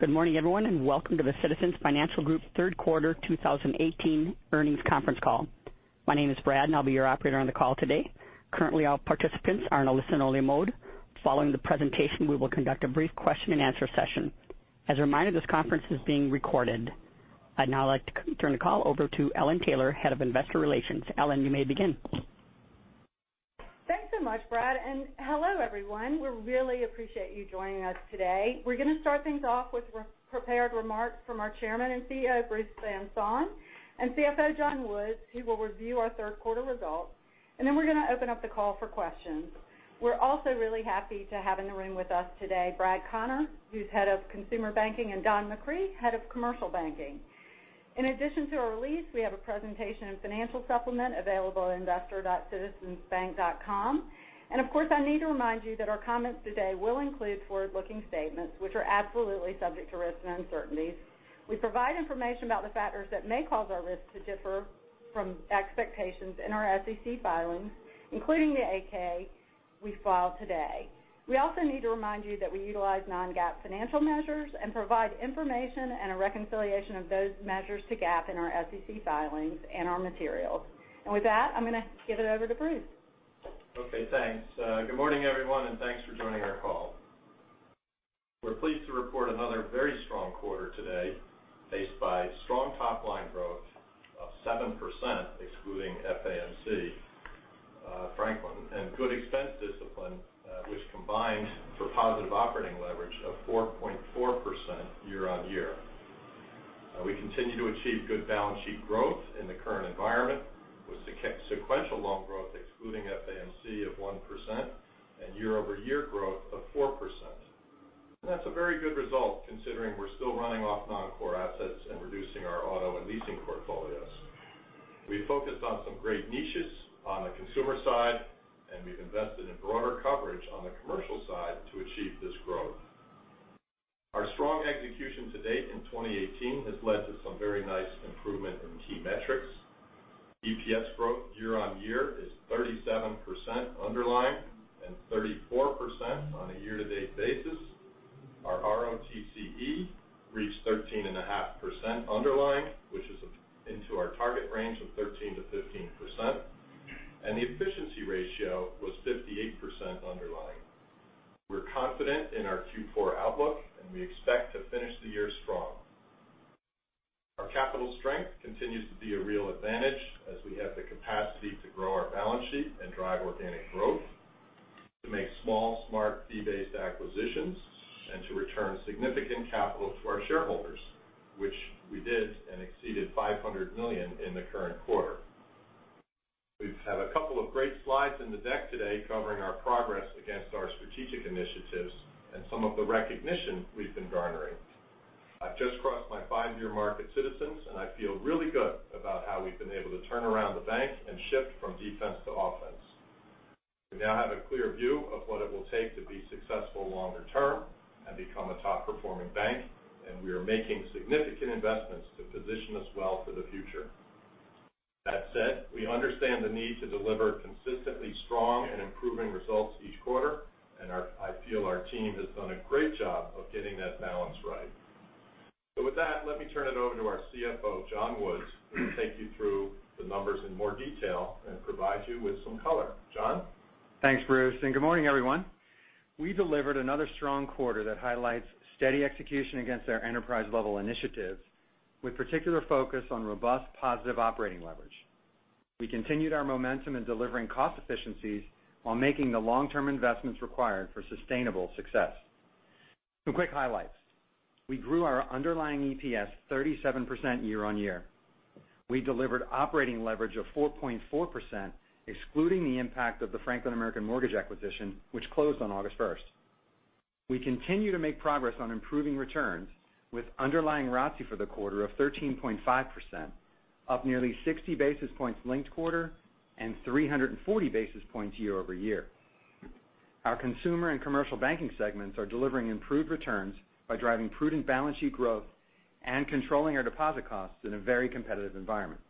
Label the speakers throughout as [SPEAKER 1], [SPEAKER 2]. [SPEAKER 1] Good morning, everyone, and welcome to the Citizens Financial Group third quarter 2018 earnings conference call. My name is Brad, and I'll be your operator on the call today. Currently, all participants are in a listen-only mode. Following the presentation, we will conduct a brief question and answer session. As a reminder, this conference is being recorded. I'd now like to turn the call over to Ellen Taylor, Head of Investor Relations. Ellen, you may begin.
[SPEAKER 2] Thanks so much, Brad. Hello, everyone. We really appreciate you joining us today. We're going to start things off with prepared remarks from our Chairman and CEO, Bruce Van Saun, and CFO, John Woods, who will review our third quarter results, then we're going to open up the call for questions. We're also really happy to have in the room with us today, Brad Conner, who's Head of Consumer Banking, and Don McCree, Head of Commercial Banking. In addition to our release, we have a presentation and financial supplement available at investor.citizensbank.com. Of course, I need to remind you that our comments today will include forward-looking statements which are absolutely subject to risks and uncertainties. We provide information about the factors that may cause our risks to differ from expectations in our SEC filings, including the 8-K we filed today. We also need to remind you that we utilize non-GAAP financial measures and provide information and a reconciliation of those measures to GAAP in our SEC filings and our materials. With that, I'm going to give it over to Bruce.
[SPEAKER 3] Okay, thanks. Good morning, everyone, and thanks for joining our call. We're pleased to report another very strong quarter today, paced by strong top line growth of 7%, excluding FAMC, Franklin, and good expense discipline which combined for positive operating leverage of 4.4% year-on-year. We continue to achieve good balance sheet growth in the current environment with sequential loan growth excluding FAMC of 1% and year-over-year growth of 4%. That's a very good result considering we're still running off non-core assets and reducing our auto and leasing portfolios. We focused on some great niches on the consumer side, and we've invested in broader coverage on the commercial side to achieve this growth. Our strong execution to date in 2018 has led to some very nice improvement in key metrics. EPS growth year-on-year is 37% underlying and 34% on a year-to-date basis. Our ROTCE reached 13.5% underlying, which is into our target range of 13%-15%. The efficiency ratio was 58% underlying. We're confident in our Q4 outlook. We expect to finish the year strong. Our capital strength continues to be a real advantage as we have the capacity to grow our balance sheet and drive organic growth, to make small, smart fee-based acquisitions, and to return significant capital to our shareholders, which we did and exceeded $500 million in the current quarter. We have a couple of great slides in the deck today covering our progress against our strategic initiatives and some of the recognition we've been garnering. I've just crossed my five-year mark at Citizens. I feel really good about how we've been able to turn around the bank and shift from defense to offense. We now have a clear view of what it will take to be successful longer term and become a top-performing bank. We are making significant investments to position us well for the future. That said, we understand the need to deliver consistently strong and improving results each quarter. I feel our team has done a great job of getting that balance right. With that, let me turn it over to our CFO, John Woods, who will take you through the numbers in more detail and provide you with some color. John?
[SPEAKER 4] Thanks, Bruce. Good morning, everyone. We delivered another strong quarter that highlights steady execution against our enterprise level initiatives with particular focus on robust positive operating leverage. We continued our momentum in delivering cost efficiencies while making the long-term investments required for sustainable success. Some quick highlights. We grew our underlying EPS 37% year-on-year. We delivered operating leverage of 4.4%, excluding the impact of the Franklin American Mortgage acquisition, which closed on August first. We continue to make progress on improving returns with underlying ROTCE for the quarter of 13.5%, up nearly 60 basis points linked quarter and 340 basis points year-over-year. Our Consumer Banking and Commercial Banking segments are delivering improved returns by driving prudent balance sheet growth and controlling our deposit costs in a very competitive environment.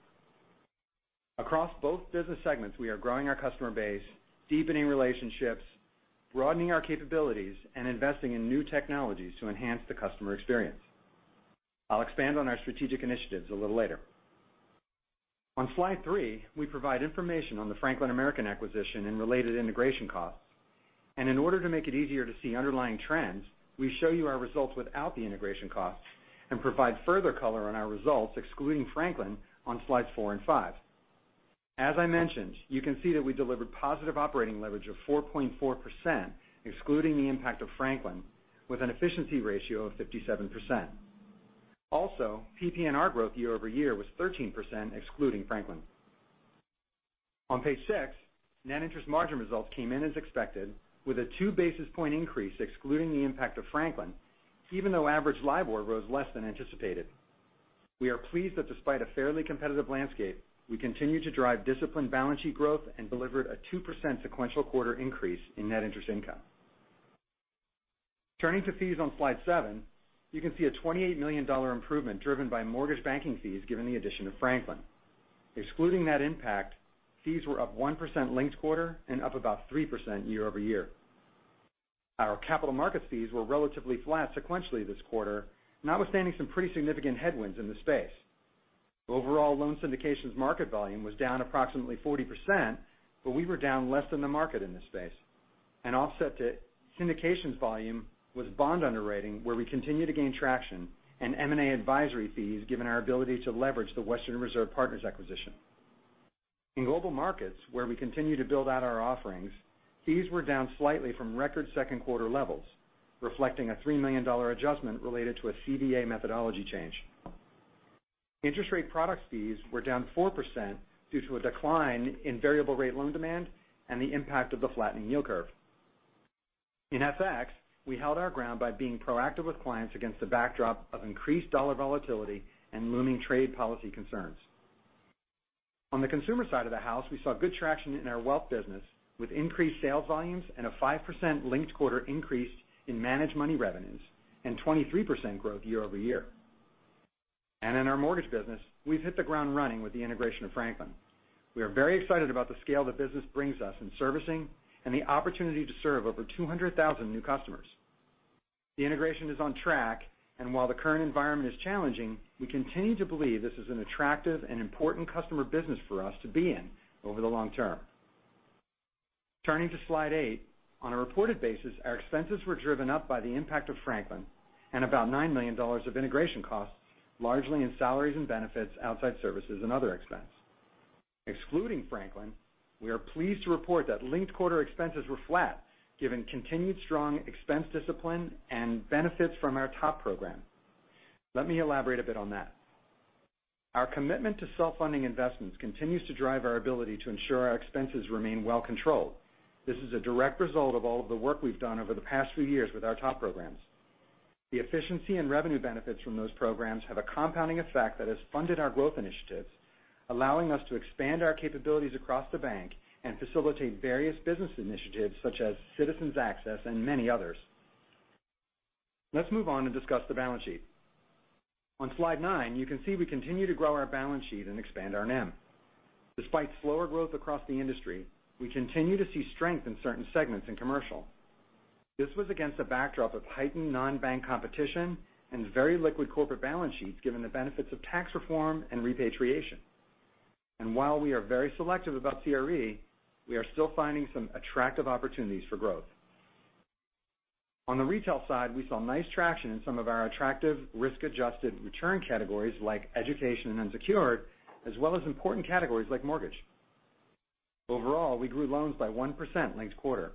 [SPEAKER 4] Across both business segments, we are growing our customer base, deepening relationships, broadening our capabilities, investing in new technologies to enhance the customer experience. I'll expand on our strategic initiatives a little later. On slide three, we provide information on the Franklin American acquisition and related integration costs. In order to make it easier to see underlying trends, we show you our results without the integration costs and provide further color on our results excluding Franklin on slides four and five. As I mentioned, you can see that we delivered positive operating leverage of 4.4%, excluding the impact of Franklin, with an efficiency ratio of 57%. PPNR growth year-over-year was 13%, excluding Franklin. On page six, net interest margin results came in as expected with a two basis point increase excluding the impact of Franklin, even though average LIBOR rose less than anticipated. We are pleased that despite a fairly competitive landscape, we continue to drive disciplined balance sheet growth and delivered a 2% sequential quarter increase in net interest income. Turning to fees on slide seven, you can see a $28 million improvement driven by mortgage banking fees given the addition of Franklin. Excluding that impact, fees were up 1% linked quarter and up about 3% year-over-year. Our capital market fees were relatively flat sequentially this quarter, notwithstanding some pretty significant headwinds in the space. Overall loan syndications market volume was down approximately 40%, but we were down less than the market in this space. Offset to syndications volume was bond underwriting, where we continue to gain traction, and M&A advisory fees given our ability to leverage the Western Reserve Partners acquisition. In global markets, where we continue to build out our offerings, fees were down slightly from record second quarter levels, reflecting a $3 million adjustment related to a CVA methodology change. Interest rate product fees were down 4% due to a decline in variable rate loan demand and the impact of the flattening yield curve. In FX, we held our ground by being proactive with clients against the backdrop of increased dollar volatility and looming trade policy concerns. On the consumer side of the house, we saw good traction in our wealth business with increased sales volumes and a 5% linked quarter increase in managed money revenues and 23% growth year-over-year. In our mortgage business, we've hit the ground running with the integration of Franklin. We are very excited about the scale the business brings us in servicing and the opportunity to serve over 200,000 new customers. The integration is on track, and while the current environment is challenging, we continue to believe this is an attractive and important customer business for us to be in over the long term. Turning to slide eight. On a reported basis, our expenses were driven up by the impact of Franklin and about $9 million of integration costs, largely in salaries and benefits, outside services and other expense. Excluding Franklin, we are pleased to report that linked quarter expenses were flat given continued strong expense discipline and benefits from our TOP program. Let me elaborate a bit on that. Our commitment to self-funding investments continues to drive our ability to ensure our expenses remain well controlled. This is a direct result of all of the work we've done over the past few years with our TOP programs. The efficiency and revenue benefits from those programs have a compounding effect that has funded our growth initiatives, allowing us to expand our capabilities across the bank and facilitate various business initiatives such as Citizens Access and many others. Let's move on and discuss the balance sheet. On slide nine, you can see we continue to grow our balance sheet and expand our NIM. Despite slower growth across the industry, we continue to see strength in certain segments in commercial. This was against a backdrop of heightened non-bank competition and very liquid corporate balance sheets given the benefits of tax reform and repatriation. While we are very selective about CRE, we are still finding some attractive opportunities for growth. On the retail side, we saw nice traction in some of our attractive risk-adjusted return categories like education and unsecured, as well as important categories like mortgage. Overall, we grew loans by 1% linked quarter.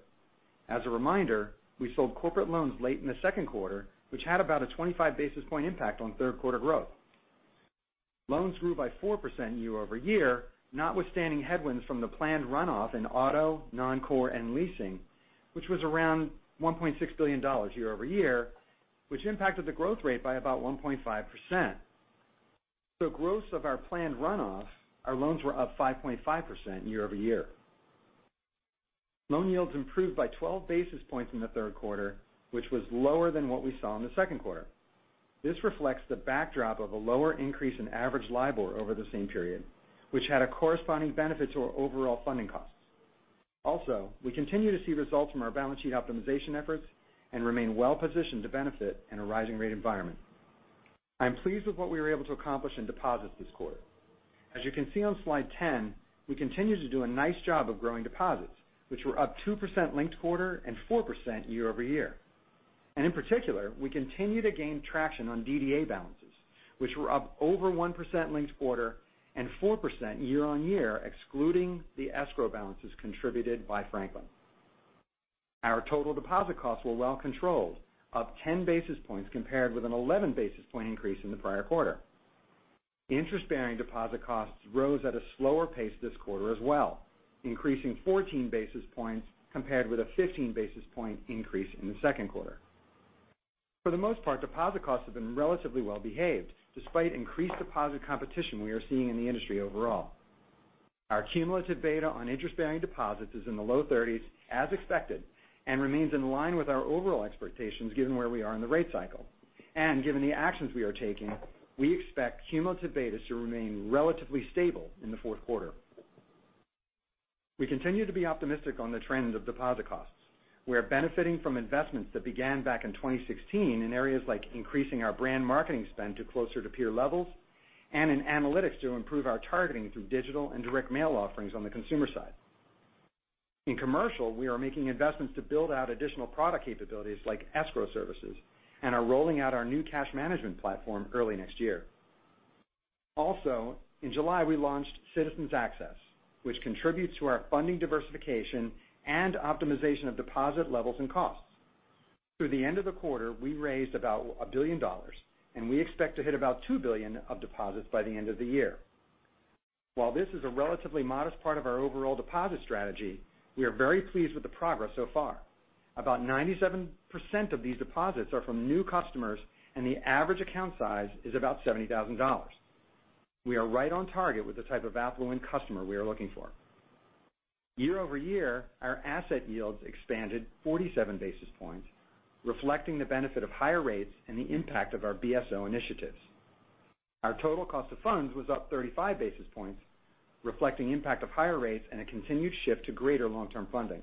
[SPEAKER 4] As a reminder, we sold corporate loans late in the second quarter, which had about a 25 basis point impact on third quarter growth. Loans grew by 4% year-over-year, notwithstanding headwinds from the planned runoff in auto, non-core and leasing, which was around $1.6 billion year-over-year, which impacted the growth rate by about 1.5%. Gross of our planned runoff, our loans were up 5.5% year-over-year. Loan yields improved by 12 basis points in the third quarter, which was lower than what we saw in the second quarter. This reflects the backdrop of a lower increase in average LIBOR over the same period, which had a corresponding benefit to our overall funding costs. Also, we continue to see results from our balance sheet optimization efforts and remain well positioned to benefit in a rising rate environment. I am pleased with what we were able to accomplish in deposits this quarter. As you can see on slide 10, we continue to do a nice job of growing deposits, which were up 2% linked quarter and 4% year-over-year. In particular, we continue to gain traction on DDA balances, which were up over 1% linked quarter and 4% year-on-year, excluding the escrow balances contributed by Franklin. Our total deposit costs were well controlled, up 10 basis points compared with an 11 basis point increase in the prior quarter. Interest-bearing deposit costs rose at a slower pace this quarter as well, increasing 14 basis points compared with a 15 basis point increase in the second quarter. For the most part, deposit costs have been relatively well behaved despite increased deposit competition we are seeing in the industry overall. Our cumulative beta on interest-bearing deposits is in the low 30s as expected and remains in line with our overall expectations given where we are in the rate cycle. Given the actions we are taking, we expect cumulative betas to remain relatively stable in the fourth quarter. We continue to be optimistic on the trend of deposit costs. We are benefiting from investments that began back in 2016 in areas like increasing our brand marketing spend to closer to peer levels and in analytics to improve our targeting through digital and direct mail offerings on the consumer side. In commercial, we are making investments to build out additional product capabilities like escrow services and are rolling out our new cash management platform early next year. Also, in July, we launched Citizens Access, which contributes to our funding diversification and optimization of deposit levels and costs. Through the end of the quarter, we raised about $1 billion, we expect to hit about $2 billion of deposits by the end of the year. While this is a relatively modest part of our overall deposit strategy, we are very pleased with the progress so far. About 97% of these deposits are from new customers, and the average account size is about $70,000. We are right on target with the type of affluent customer we are looking for. Year-over-year, our asset yields expanded 47 basis points, reflecting the benefit of higher rates and the impact of our BSO initiatives. Our total cost of funds was up 35 basis points, reflecting impact of higher rates and a continued shift to greater long-term funding.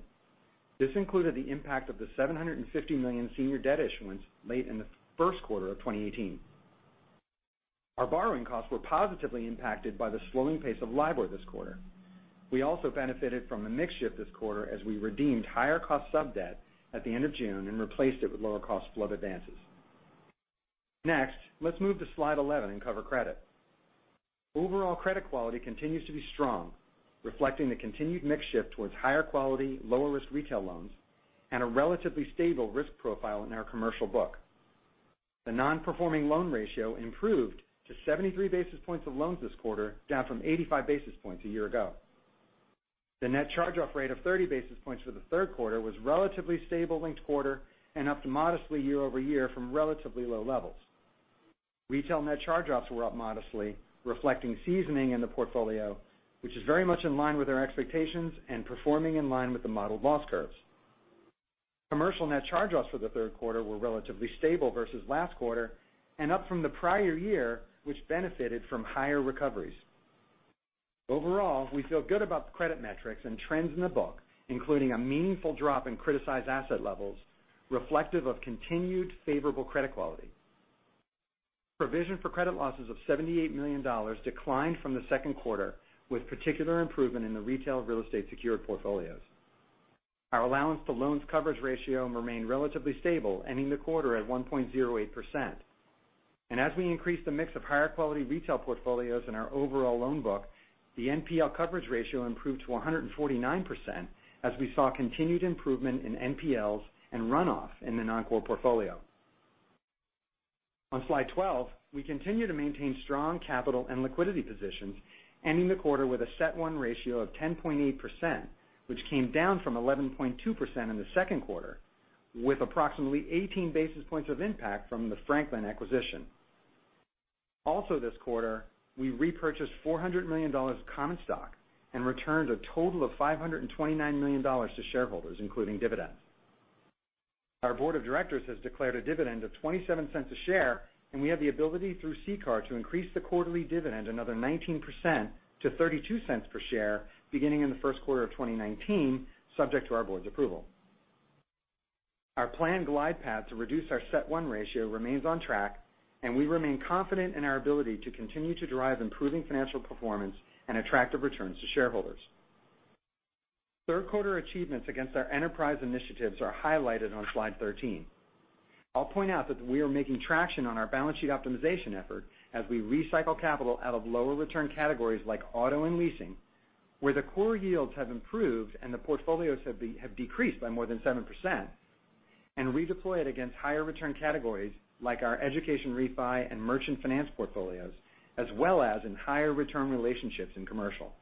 [SPEAKER 4] This included the impact of the $750 million senior debt issuance late in the first quarter of 2018. Our borrowing costs were positively impacted by the slowing pace of LIBOR this quarter. We also benefited from the mix shift this quarter as we redeemed higher cost sub-debt at the end of June and replaced it with lower cost FHLB advances. Next, let's move to slide 11 and cover credit. Overall credit quality continues to be strong, reflecting the continued mix shift towards higher quality, lower risk retail loans and a relatively stable risk profile in our commercial book. The non-performing loan ratio improved to 73 basis points of loans this quarter, down from 85 basis points a year ago. The net charge-off rate of 30 basis points for the third quarter was relatively stable linked quarter and up modestly year-over-year from relatively low levels. Retail net charge-offs were up modestly, reflecting seasoning in the portfolio, which is very much in line with our expectations and performing in line with the modeled loss curves. Commercial net charge-offs for the third quarter were relatively stable versus last quarter and up from the prior year, which benefited from higher recoveries. Overall, we feel good about the credit metrics and trends in the book, including a meaningful drop in criticized asset levels, reflective of continued favorable credit quality. Provision for credit losses of $78 million declined from the second quarter, with particular improvement in the retail real estate secured portfolios. Our allowance to loans coverage ratio remained relatively stable, ending the quarter at 1.08%. As we increase the mix of higher quality retail portfolios in our overall loan book, the NPL coverage ratio improved to 149% as we saw continued improvement in NPLs and runoff in the non-core portfolio. On slide 12, we continue to maintain strong capital and liquidity positions, ending the quarter with a CET1 ratio of 10.8%, which came down from 11.2% in the second quarter, with approximately 18 basis points of impact from the Franklin acquisition. This quarter, we repurchased $400 million of common stock and returned a total of $529 million to shareholders, including dividends. Our board of directors has declared a dividend of $0.27 a share, and we have the ability through CCAR to increase the quarterly dividend another 19% to $0.32 per share beginning in the first quarter of 2019, subject to our board's approval. Our planned glide path to reduce our CET1 ratio remains on track. We remain confident in our ability to continue to drive improving financial performance and attractive returns to shareholders. Third quarter achievements against our enterprise initiatives are highlighted on slide 13. I'll point out that we are making traction on our balance sheet optimization effort as we recycle capital out of lower return categories like auto and leasing, where the core yields have improved and the portfolios have decreased by more than 7%, and redeploy it against higher return categories like our education refi and merchant finance portfolios, as well as in higher return relationships in commercial.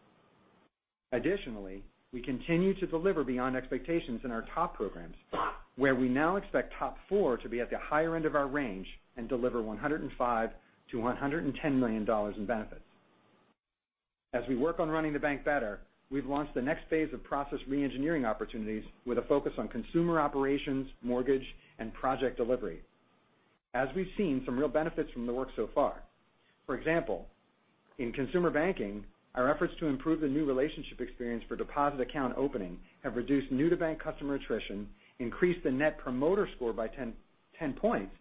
[SPEAKER 4] Additionally, we continue to deliver beyond expectations in our TOP programs, where we now expect TOP IV to be at the higher end of our range and deliver $105 million-$110 million in benefits. As we work on running the bank better, we've launched the next phase of process re-engineering opportunities with a focus on consumer operations, mortgage, and project delivery. We've seen some real benefits from the work so far. For example, in consumer banking, our efforts to improve the new relationship experience for deposit account opening have reduced new to bank customer attrition, increased the net promoter score by 10 points,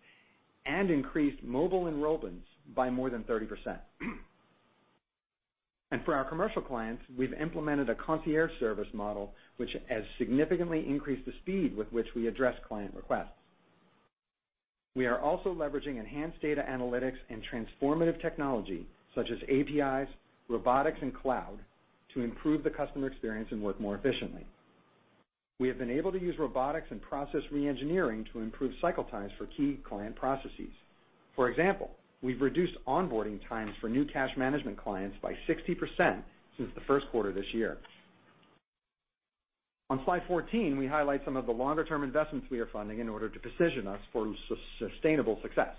[SPEAKER 4] and increased mobile enrollments by more than 30%. For our commercial clients, we've implemented a concierge service model, which has significantly increased the speed with which we address client requests. We are also leveraging enhanced data analytics and transformative technology such as APIs, robotics, and cloud to improve the customer experience and work more efficiently. We have been able to use robotics and process re-engineering to improve cycle times for key client processes. For example, we've reduced onboarding times for new cash management clients by 60% since the first quarter this year. On slide 14, we highlight some of the longer term investments we are funding in order to position us for sustainable success.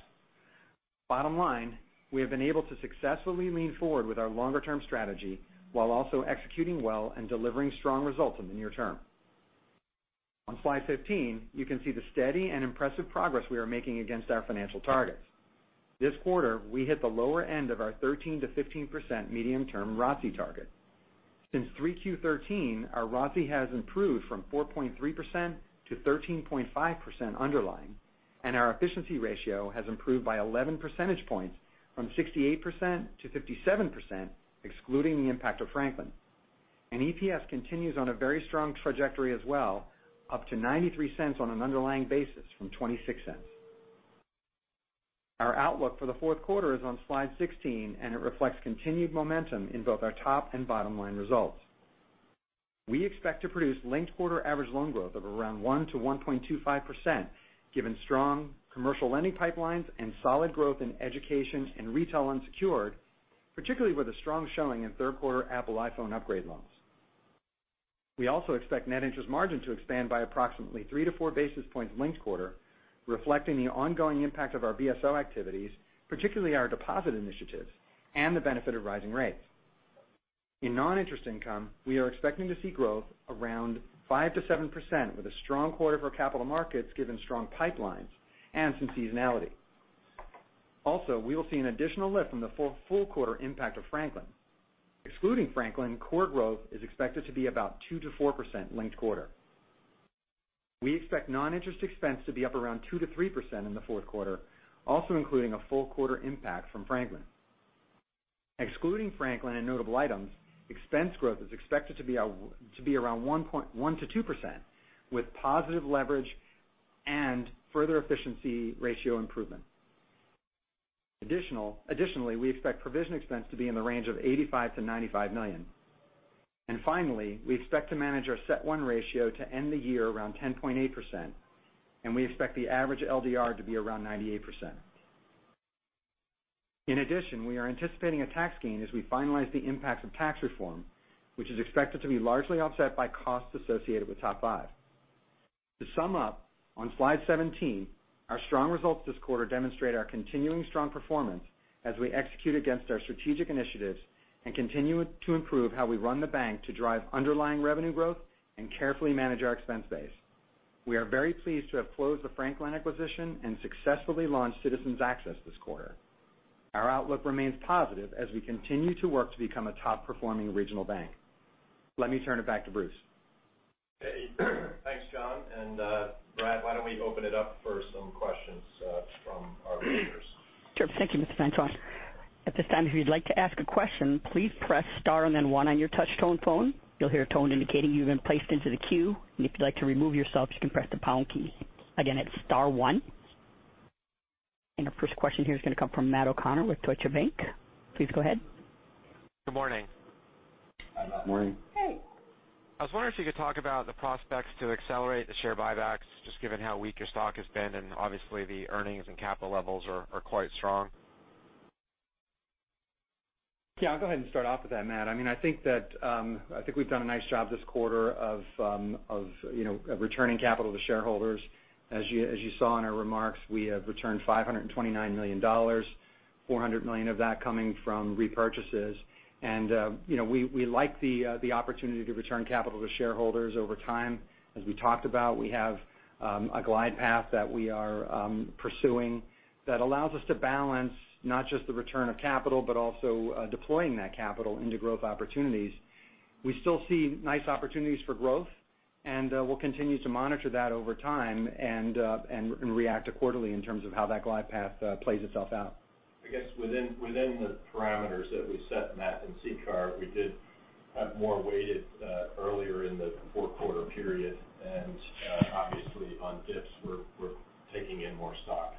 [SPEAKER 4] Bottom line, we have been able to successfully lean forward with our longer term strategy while also executing well and delivering strong results in the near term. On slide 15, you can see the steady and impressive progress we are making against our financial targets. This quarter, we hit the lower end of our 13%-15% medium-term ROTCE target. Since 3Q13, our ROTCE has improved from 4.3% to 13.5% underlying, and our efficiency ratio has improved by 11 percentage points from 68%-57%, excluding the impact of Franklin. EPS continues on a very strong trajectory as well, up to $0.93 on an underlying basis from $0.26. Our outlook for the fourth quarter is on slide 16, and it reflects continued momentum in both our top and bottom line results. We expect to produce linked quarter average loan growth of around 1%-1.25% given strong commercial lending pipelines and solid growth in education and retail unsecured, particularly with a strong showing in third quarter Apple iPhone upgrade loans. We also expect net interest margin to expand by approximately three to four basis points linked quarter, reflecting the ongoing impact of our BSO activities, particularly our deposit initiatives and the benefit of rising rates. In non-interest income, we are expecting to see growth around 5%-7%, with a strong quarter for capital markets given strong pipelines and some seasonality. We will see an additional lift from the full quarter impact of Franklin. Excluding Franklin, core growth is expected to be about 2%-4% linked quarter. We expect non-interest expense to be up around 2%-3% in the fourth quarter, also including a full quarter impact from Franklin. Excluding Franklin and notable items, expense growth is expected to be around 1%-2%, with positive leverage and further efficiency ratio improvement. Additionally, we expect provision expense to be in the range of $85 million-$95 million. Finally, we expect to manage our CET1 ratio to end the year around 10.8%, and we expect the average LDR to be around 98%. In addition, we are anticipating a tax gain as we finalize the impacts of tax reform, which is expected to be largely offset by costs associated with Top Five. To sum up, on slide 17, our strong results this quarter demonstrate our continuing strong performance as we execute against our strategic initiatives and continue to improve how we run the bank to drive underlying revenue growth and carefully manage our expense base. We are very pleased to have closed the Franklin acquisition and successfully launched Citizens Access this quarter. Our outlook remains positive as we continue to work to become a top-performing regional bank. Let me turn it back to Bruce.
[SPEAKER 3] Thanks, John. Brad, why don't we open it up for some questions from our listeners?
[SPEAKER 1] Sure. Thank you, Mr. Van Saun. At this time, if you'd like to ask a question, please press star and then one on your touch tone phone. You'll hear a tone indicating you've been placed into the queue. If you'd like to remove yourself, you can press the pound key. Again, it's star one. Our first question here is going to come from Matt O'Connor with Deutsche Bank. Please go ahead.
[SPEAKER 5] Good morning.
[SPEAKER 4] Morning.
[SPEAKER 5] I was wondering if you could talk about the prospects to accelerate the share buybacks, just given how weak your stock has been, and obviously the earnings and capital levels are quite strong.
[SPEAKER 4] Yeah, I'll go ahead and start off with that, Matt. I think we've done a nice job this quarter of returning capital to shareholders. As you saw in our remarks, we have returned $529 million, $400 million of that coming from repurchases. We like the opportunity to return capital to shareholders over time. As we talked about, we have a glide path that we are pursuing that allows us to balance not just the return of capital, but also deploying that capital into growth opportunities. We still see nice opportunities for growth, we'll continue to monitor that over time and react accordingly in terms of how that glide path plays itself out.
[SPEAKER 3] I guess within the parameters that we set, Matt, in CCAR, we did have more weighted earlier in the fourth quarter period. Obviously on dips, we're taking in more stock.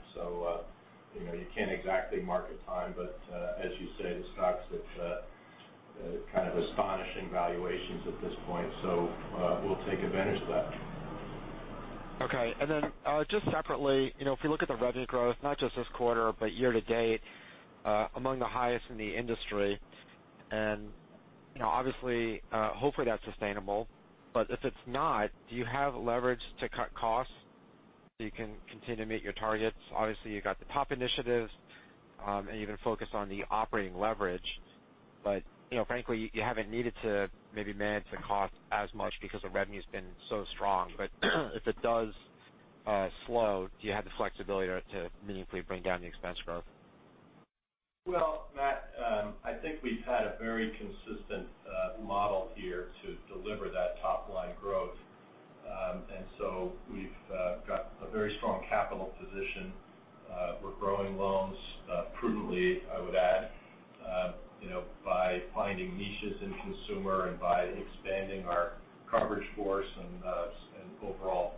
[SPEAKER 3] You can't exactly market time, but as you say, the stock's at kind of astonishing valuations at this point, so we'll take advantage of that.
[SPEAKER 5] Okay. Just separately, if you look at the revenue growth, not just this quarter, but year-to-date, among the highest in the industry. Obviously, hopefully that's sustainable. If it's not, do you have leverage to cut costs so you can continue to meet your targets? Obviously, you got the TOP initiatives and even focus on the operating leverage. Frankly, you haven't needed to maybe manage the cost as much because the revenue's been so strong. If it does slow, do you have the flexibility to meaningfully bring down the expense growth?
[SPEAKER 3] Well, Matt, I think we've had a very consistent model here to deliver that top-line growth. We've got a very strong capital position. We're growing loans prudently, I would add, by finding niches in consumer and by expanding our coverage force and overall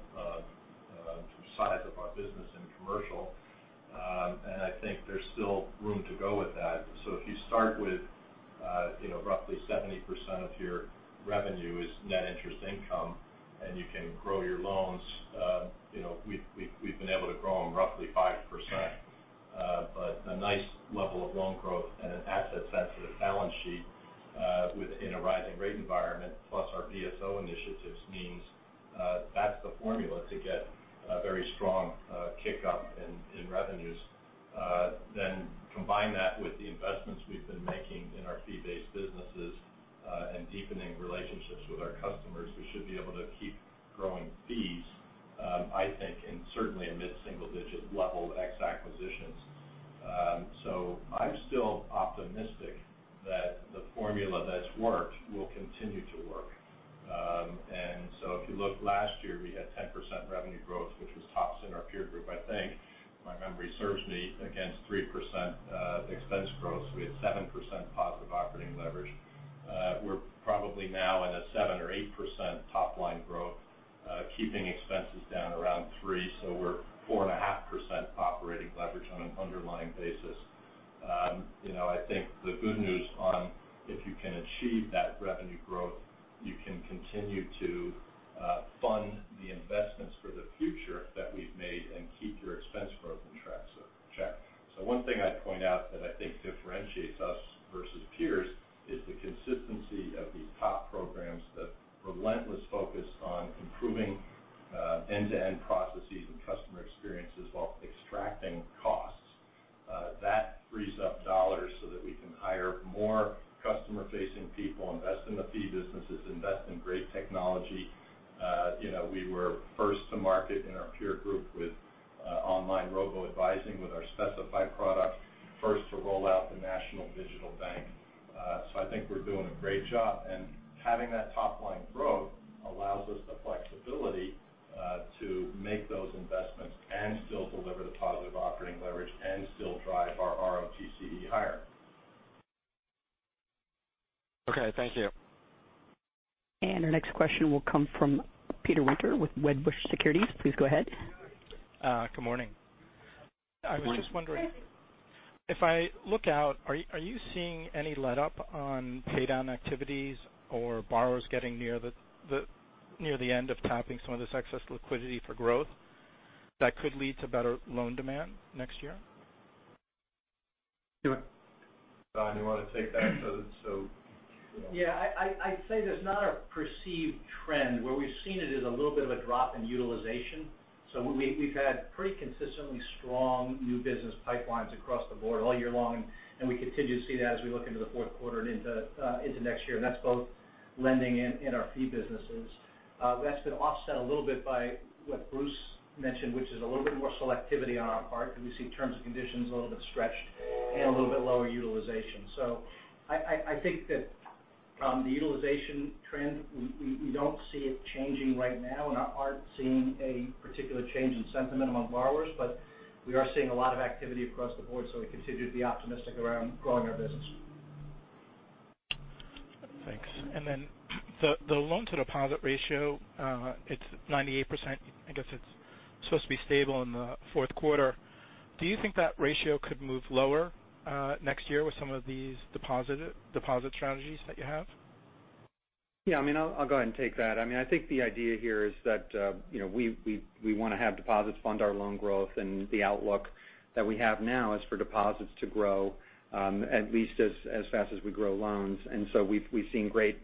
[SPEAKER 3] size of our business and commercial. I think there's still room to go with that. If you start with roughly 70% of your revenue is net interest income, and you can grow your loans. We've been able to grow them roughly 5%. A nice level of loan growth and an asset-sensitive balance sheet within a rising rate environment, plus our BSO initiatives means that's the formula to get a very strong kick up in revenues. Combine that with the investments we've been making in our fee-based businesses and deepening relationships with our customers. We should be able to keep growing fees, I think, in certainly a mid-single digit level ex acquisitions. I'm still optimistic that the formula that's worked will continue to work. If you look last year, we had 10% revenue growth, which was tops in our peer group, I think, if my memory serves me, against 3% expense growth. We had 7% positive operating leverage. We're probably now in a 7% or 8% top line growth, keeping expenses down around 3%. We're 4.5% operating leverage on an underlying basis. I think the good news on if you can achieve that revenue growth, you can continue to fund the investments for the future that we've made and keep your expense growth in check. One thing I'd point out that I think differentiates us versus peers is
[SPEAKER 6] That's been offset a little bit by what Bruce mentioned, which is a little bit more selectivity on our part because we see terms and conditions a little bit stretched and a little bit lower utilization. I think that the utilization trend, we don't see it changing right now and aren't seeing a particular change in sentiment among borrowers, but we are seeing a lot of activity across the board, so we continue to be optimistic around growing our business.
[SPEAKER 7] Thanks. The loan-to-deposit ratio, it's 98%. I guess it's supposed to be stable in the fourth quarter. Do you think that ratio could move lower next year with some of these deposit strategies that you have?
[SPEAKER 4] Yeah, I'll go ahead and take that. I think the idea here is that we want to have deposits fund our loan growth, and the outlook that we have now is for deposits to grow at least as fast as we grow loans. We've seen great,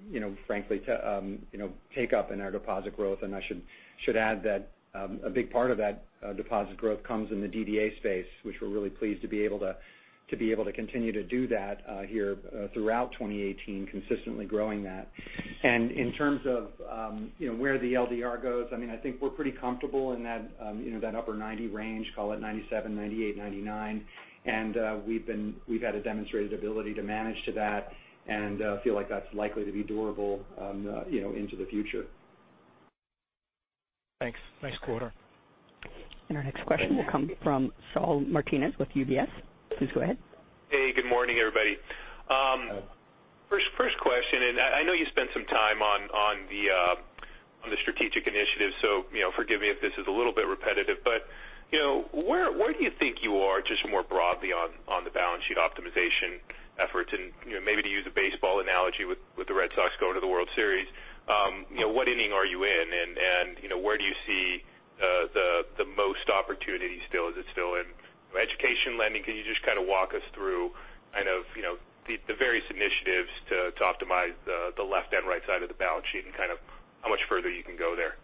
[SPEAKER 4] frankly, take-up in our deposit growth. I should add that a big part of that deposit growth comes in the DDA space, which we're really pleased to be able to continue to do that here throughout 2018, consistently growing that. In terms of where the LDR goes, I think we're pretty comfortable in that upper 90 range, call it 97, 98, 99. We've had a demonstrated ability to manage to that and feel like that's likely to be durable into the future.
[SPEAKER 7] Thanks. Nice quarter.
[SPEAKER 1] Our next question will come from Saul Martinez with UBS. Please go ahead.
[SPEAKER 8] Hey, good morning, everybody.
[SPEAKER 3] Hi.
[SPEAKER 8] First question. I know you spent some time on the strategic initiatives, so forgive me if this is a little bit repetitive, but where do you think you are, just more broadly on the balance sheet optimization efforts and maybe to use a baseball analogy with the Boston Red Sox going to the World Series, what inning are you in and where do you see the most opportunity still? Is it still in education lending? Can you just kind of walk us through the various initiatives to optimize the left and right side of the balance sheet and how much further you can go there?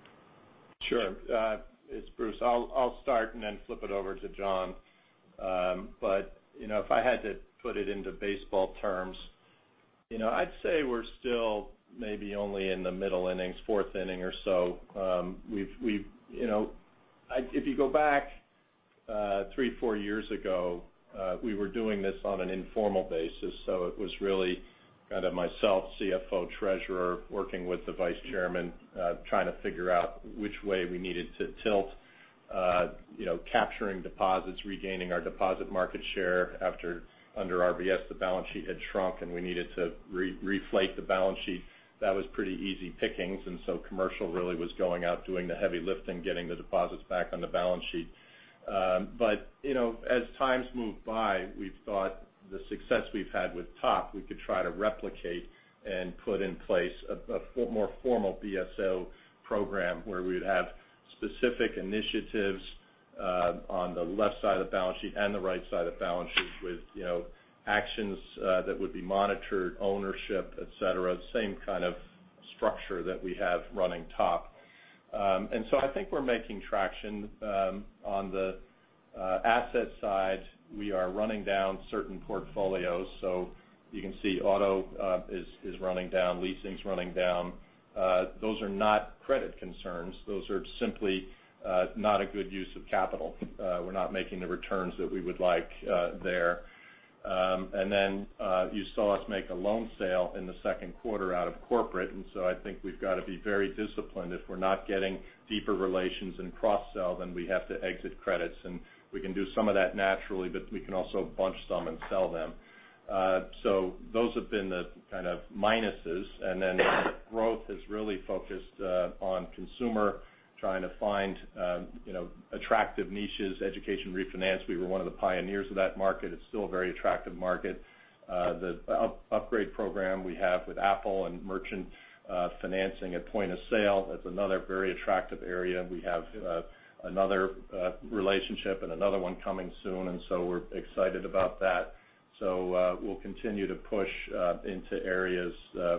[SPEAKER 3] Sure. It's Bruce. I'll start and then flip it over to John. If I had to put it into baseball terms, I'd say we're still maybe only in the middle innings, fourth inning or so. If you go back three, four years ago, we were doing this on an informal basis, so it was really kind of myself, CFO treasurer, working with the vice chairman, trying to figure out which way we needed to tilt, capturing deposits, regaining our deposit market share after under RBS, the balance sheet had shrunk and we needed to reflate the balance sheet. That was pretty easy pickings, commercial really was going out doing the heavy lifting, getting the deposits back on the balance sheet. As times moved by, we've thought the success we've had with TOP, we could try to replicate and put in place a more formal BSO program where we would have specific initiatives on the left side of the balance sheet and the right side of the balance sheet with actions that would be monitored, ownership, et cetera. Same kind of structure that we have running TOP. I think we're making traction. On the asset side, we are running down certain portfolios. You can see auto is running down, leasing's running down. Those are not credit concerns. Those are simply not a good use of capital. We're not making the returns that we would like there. You saw us make a loan sale in the second quarter out of corporate. I think we've got to be very disciplined. If we're not getting deeper relations and cross-sell, then we have to exit credits, and we can do some of that naturally, but we can also bunch some and sell them. Those have been the kind of minuses. Growth has really focused on consumer trying to find attractive niches. Education refinance, we were one of the pioneers of that market. It's still a very attractive market. The upgrade program we have with Apple and merchant financing at point of sale, that's another very attractive area. We have another relationship and another one coming soon, and so we're excited about that. We'll continue to push into areas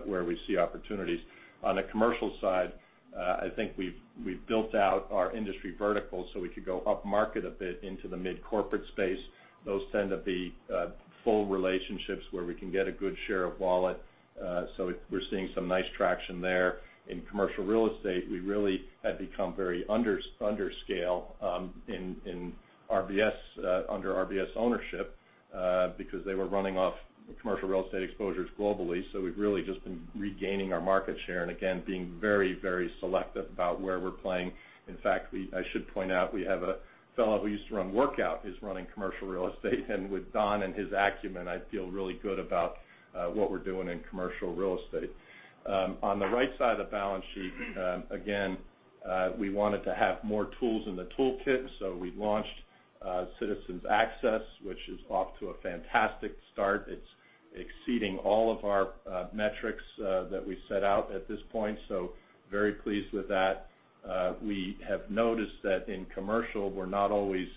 [SPEAKER 3] where we see opportunities. On the commercial side, I think we've built out our industry vertical so we could go upmarket a bit into the mid-corporate space. Those tend to be full relationships where we can get a good share of wallet. We're seeing some nice traction there. In commercial real estate, we really had become very under scale under RBS ownership because they were running off commercial real estate exposures globally. We've really just been regaining our market share and again, being very selective about where we're playing. In fact, I should point out, we have a fellow who used to run workout is running commercial real estate. With Don and his acumen, I feel really good about what we're doing in commercial real estate. On the right side of the balance sheet, again we wanted to have more tools in the toolkit. We launched Citizens Access, which is off to a fantastic start. It's exceeding all of our metrics that we set out at this point. Very pleased with that. We have noticed that in commercial, we're not always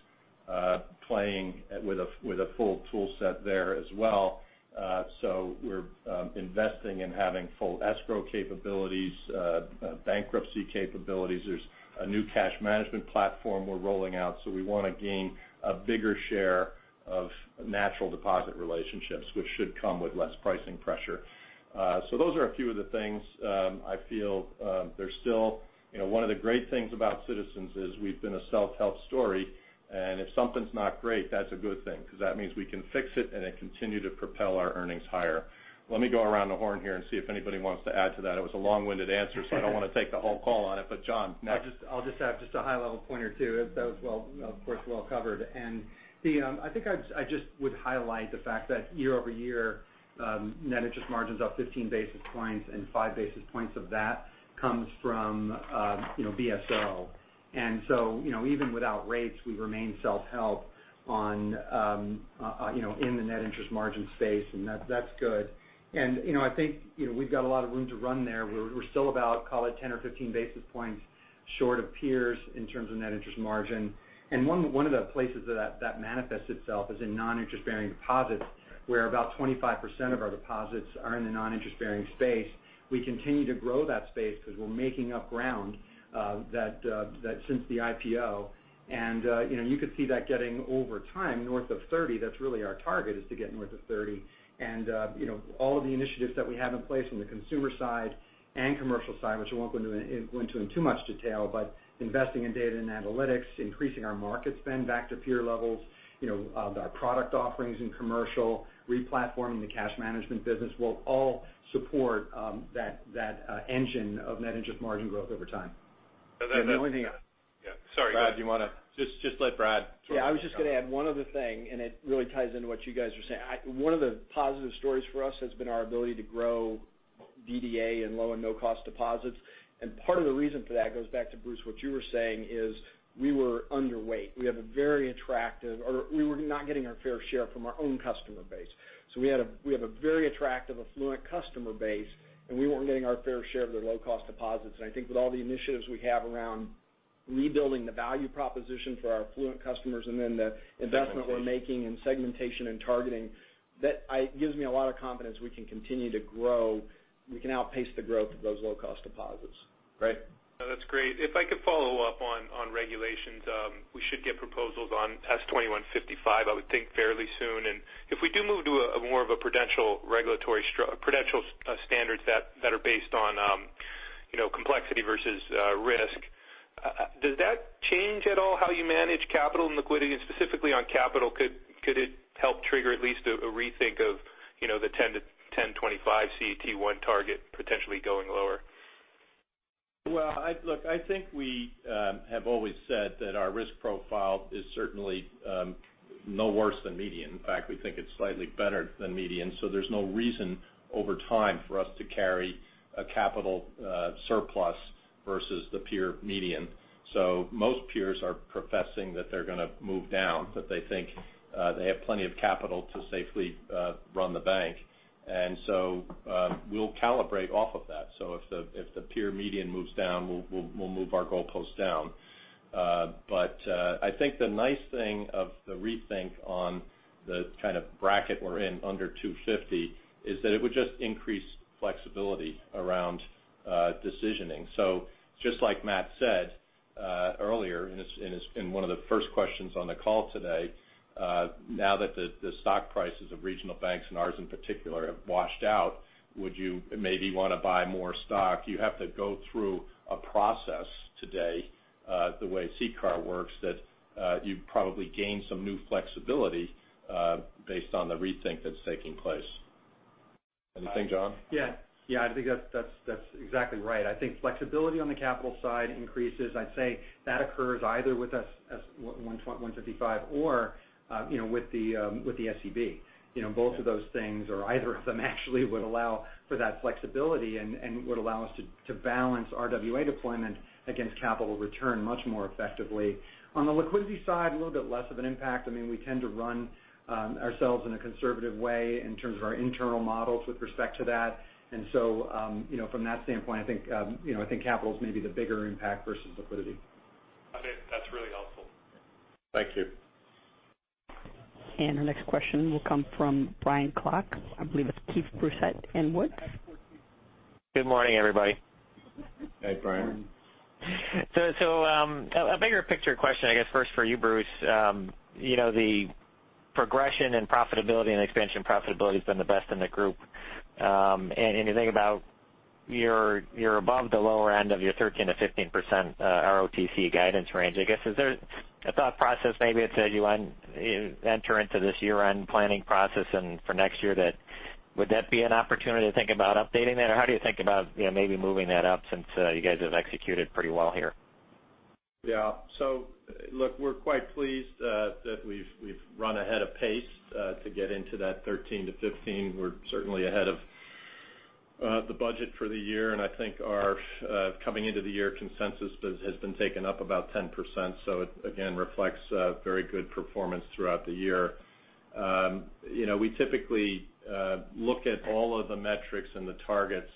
[SPEAKER 3] playing with a full tool set there as well. We're investing in having full escrow capabilities, bankruptcy capabilities. There's a new cash management platform we're rolling out. We want to gain a bigger share of natural deposit relationships, which should come with less pricing pressure. Those are a few of the things I feel there's still One of the great things about Citizens is we've been a self-help story, and if something's not great, that's a good thing because that means we can fix it and then continue to propel our earnings higher. Let me go around the horn here and see if anybody wants to add to that. It was a long-winded answer, so I don't want to take the whole call on it. John, Matt?
[SPEAKER 4] I'll just add just a high-level point or two. That was, of course, well covered. I think I just would highlight the fact that year-over-year, net interest margin's up 15 basis points and 5 basis points of that comes from BSO. Even without rates, we remain self-help in the net interest margin space. That's good. I think we've got a lot of room to run there. We're still about, call it 10 or 15 basis points short of peers in terms of net interest margin. One of the places that manifests itself is in non-interest-bearing deposits, where about 25% of our deposits are in the non-interest-bearing space. We continue to grow that space because we're making up ground since the IPO. You could see that getting over time north of 30. That's really our target is to get north of 30. All of the initiatives that we have in place on the consumer side and commercial side, which I won't go into in too much detail, but investing in data and analytics, increasing our market spend back to peer levels, our product offerings in commercial, replatforming the cash management business will all support that engine of net interest margin growth over time.
[SPEAKER 3] Yeah. Sorry. Brad, do you want to? Just let Brad.
[SPEAKER 9] I was just going to add one other thing. It really ties into what you guys are saying. One of the positive stories for us has been our ability to grow DDA and low and no cost deposits. Part of the reason for that goes back to Bruce, what you were saying is we were underweight. We were not getting our fair share from our own customer base. We have a very attractive affluent customer base, and we weren't getting our fair share of their low-cost deposits. I think with all the initiatives we have around rebuilding the value proposition for our affluent customers and then the investment we're making in segmentation and targeting, that gives me a lot of confidence we can continue to grow. We can outpace the growth of those low-cost deposits. Right?
[SPEAKER 8] No, that's great. If I could follow up on regulations. We should get proposals on S.2155, I would think fairly soon. If we do move to more of a prudential standards that are based on complexity versus risk, does that change at all how you manage capital and liquidity? Specifically on capital, could it help trigger at least a rethink of the 10 to 1025 CET1 target potentially going lower?
[SPEAKER 3] Well, look, I think we have always said that our risk profile is certainly no worse than median. In fact, we think it's slightly better than median. There's no reason over time for us to carry a capital surplus versus the peer median. Most peers are professing that they're going to move down, that they think they have plenty of capital to safely run the bank. We'll calibrate off of that. If the peer median moves down, we'll move our goalpost down. I think the nice thing of the rethink on the kind of bracket we're in under 250 is that it would just increase flexibility around decisioning. Just like Matt said earlier in one of the first questions on the call today, now that the stock prices of regional banks and ours in particular have washed out, would you maybe want to buy more stock? You have to go through a process today, the way CCAR works that you probably gain some new flexibility based on the rethink that's taking place. Anything, John?
[SPEAKER 4] I think that's exactly right. I think flexibility on the capital side increases. I'd say that occurs either with us as S.2155 or with the SCB. Both of those things or either of them actually would allow for that flexibility and would allow us to balance RWA deployment against capital return much more effectively. On the liquidity side, a little bit less of an impact. We tend to run ourselves in a conservative way in terms of our internal models with respect to that. From that standpoint, I think capital is maybe the bigger impact versus liquidity.
[SPEAKER 8] I think that's really helpful. Thank you.
[SPEAKER 1] Our next question will come from Brian Klock. I believe that's Keefe, Bruyette & Woods.
[SPEAKER 10] Good morning, everybody.
[SPEAKER 3] Hey, Brian.
[SPEAKER 10] A bigger picture question, I guess first for you, Bruce. The progression in profitability and expansion profitability has been the best in the group. You think about you're above the lower end of your 13%-15% ROTCE guidance range. I guess, is there a thought process maybe as you enter into this year-end planning process and for next year that would that be an opportunity to think about updating that? How do you think about maybe moving that up since you guys have executed pretty well here?
[SPEAKER 3] Yeah. Look, we're quite pleased that we've run ahead of pace to get into that 13-15. We're certainly ahead of the budget for the year, and I think our coming into the year consensus has been taken up about 10%. It again reflects very good performance throughout the year. We typically look at all of the metrics and the targets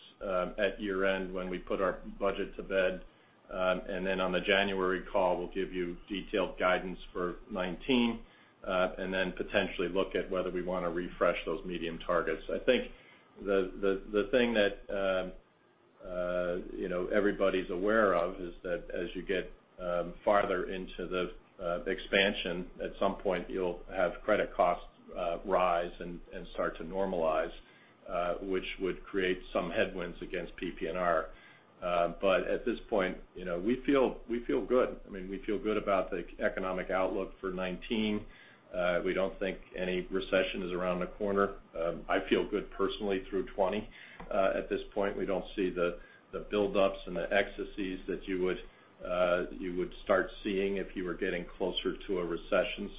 [SPEAKER 3] at year-end when we put our budget to bed. Then on the January call, we'll give you detailed guidance for 2019, and then potentially look at whether we want to refresh those medium targets. I think the thing that everybody's aware of is that as you get farther into the expansion, at some point you'll have credit costs rise and start to normalize, which would create some headwinds against PPNR. At this point, we feel good. We feel good about the economic outlook for 2019. We don't think any recession is around the corner. I feel good personally through 2020. At this point, we don't see the buildups and the excesses that you would start seeing if you were getting closer to a recession.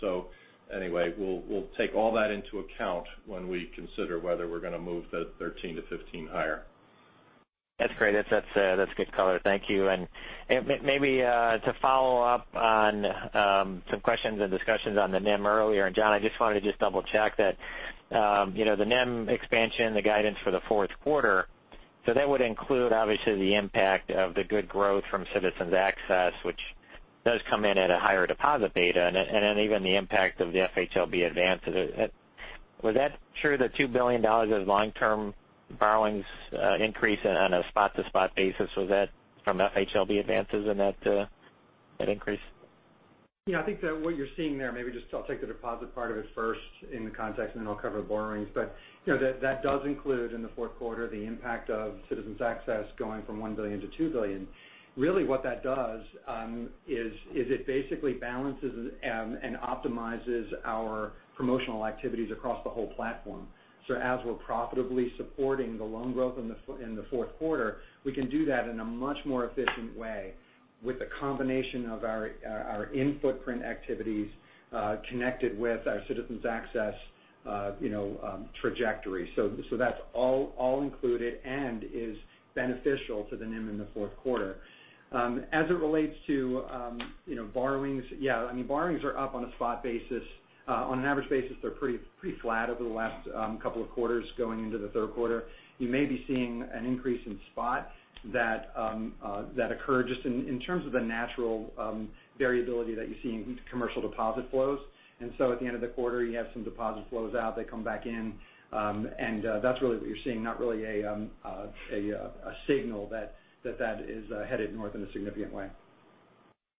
[SPEAKER 3] Anyway, we'll take all that into account when we consider whether we're going to move the 13-15 higher.
[SPEAKER 10] That's great. That's good color. Thank you. Maybe to follow up on some questions and discussions on the NIM earlier, John, I just wanted to just double check that the NIM expansion, the guidance for the fourth quarter. That would include, obviously, the impact of the good growth from Citizens Access, which does come in at a higher deposit beta, and then even the impact of the FHLB advances. Was that true, the $2 billion of long-term borrowings increase on a spot-to-spot basis? Was that from FHLB advances in that increase?
[SPEAKER 4] I think that what you're seeing there, maybe just I'll take the deposit part of it first in the context, then I'll cover the borrowings. That does include in the fourth quarter the impact of Citizens Access going from 1 billion to 2 billion. Really, what that does is it basically balances and optimizes our promotional activities across the whole platform. As we're profitably supporting the loan growth in the fourth quarter, we can do that in a much more efficient way with the combination of our in-footprint activities connected with our Citizens Access trajectory. That's all included and is beneficial to the NIM in the fourth quarter. As it relates to borrowings are up on a spot basis. On an average basis, they're pretty flat over the last couple of quarters going into the third quarter. You may be seeing an increase in spot that occurred just in terms of the natural variability that you see in commercial deposit flows. At the end of the quarter, you have some deposit flows out, they come back in. That's really what you're seeing, not really a signal that that is headed north in a significant way.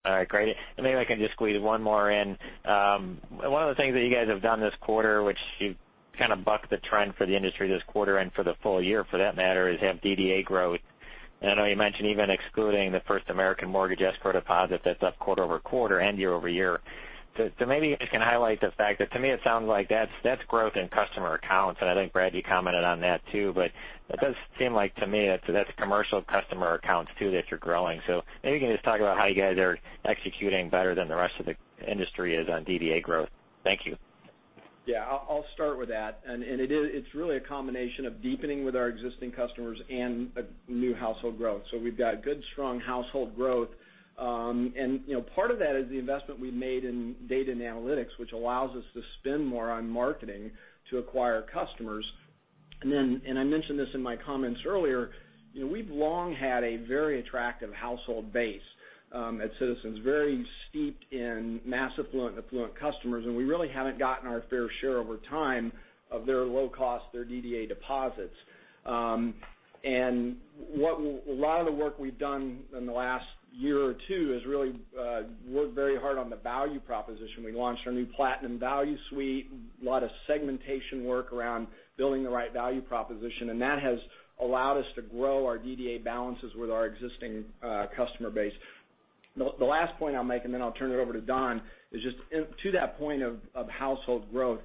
[SPEAKER 10] All right, great. Maybe I can just squeeze one more in. One of the things that you guys have done this quarter, which you've kind of bucked the trend for the industry this quarter and for the full year for that matter, is have DDA growth. I know you mentioned even excluding the Franklin American Mortgage escrow deposit that's up quarter-over-quarter and year-over-year. Maybe you can highlight the fact that to me it sounds like that's growth in customer accounts, and I think, Brad, you commented on that too. That does seem like to me that's commercial customer accounts too that you're growing. Maybe you can just talk about how you guys are executing better than the rest of the industry is on DDA growth. Thank you.
[SPEAKER 3] Yeah, I'll start with that. It's really a combination of deepening with our existing customers and new household growth. We've got good, strong household growth. Part of that is the investment we've made in data and analytics, which allows us to spend more on marketing to acquire customers. I mentioned this in my comments earlier, we've long had a very attractive household base at Citizens, very steeped in mass affluent and affluent customers, and we really haven't gotten our fair share over time of their low cost, their DDA deposits. A lot of the work we've done in the last year or two is really worked very hard on the value proposition. We launched our new Platinum Value Suite, a lot of segmentation work around building the right value proposition, and that has allowed us to grow our DDA balances with our existing customer base.
[SPEAKER 9] The last point I'll make, and then I'll turn it over to Don, is just to that point of household growth.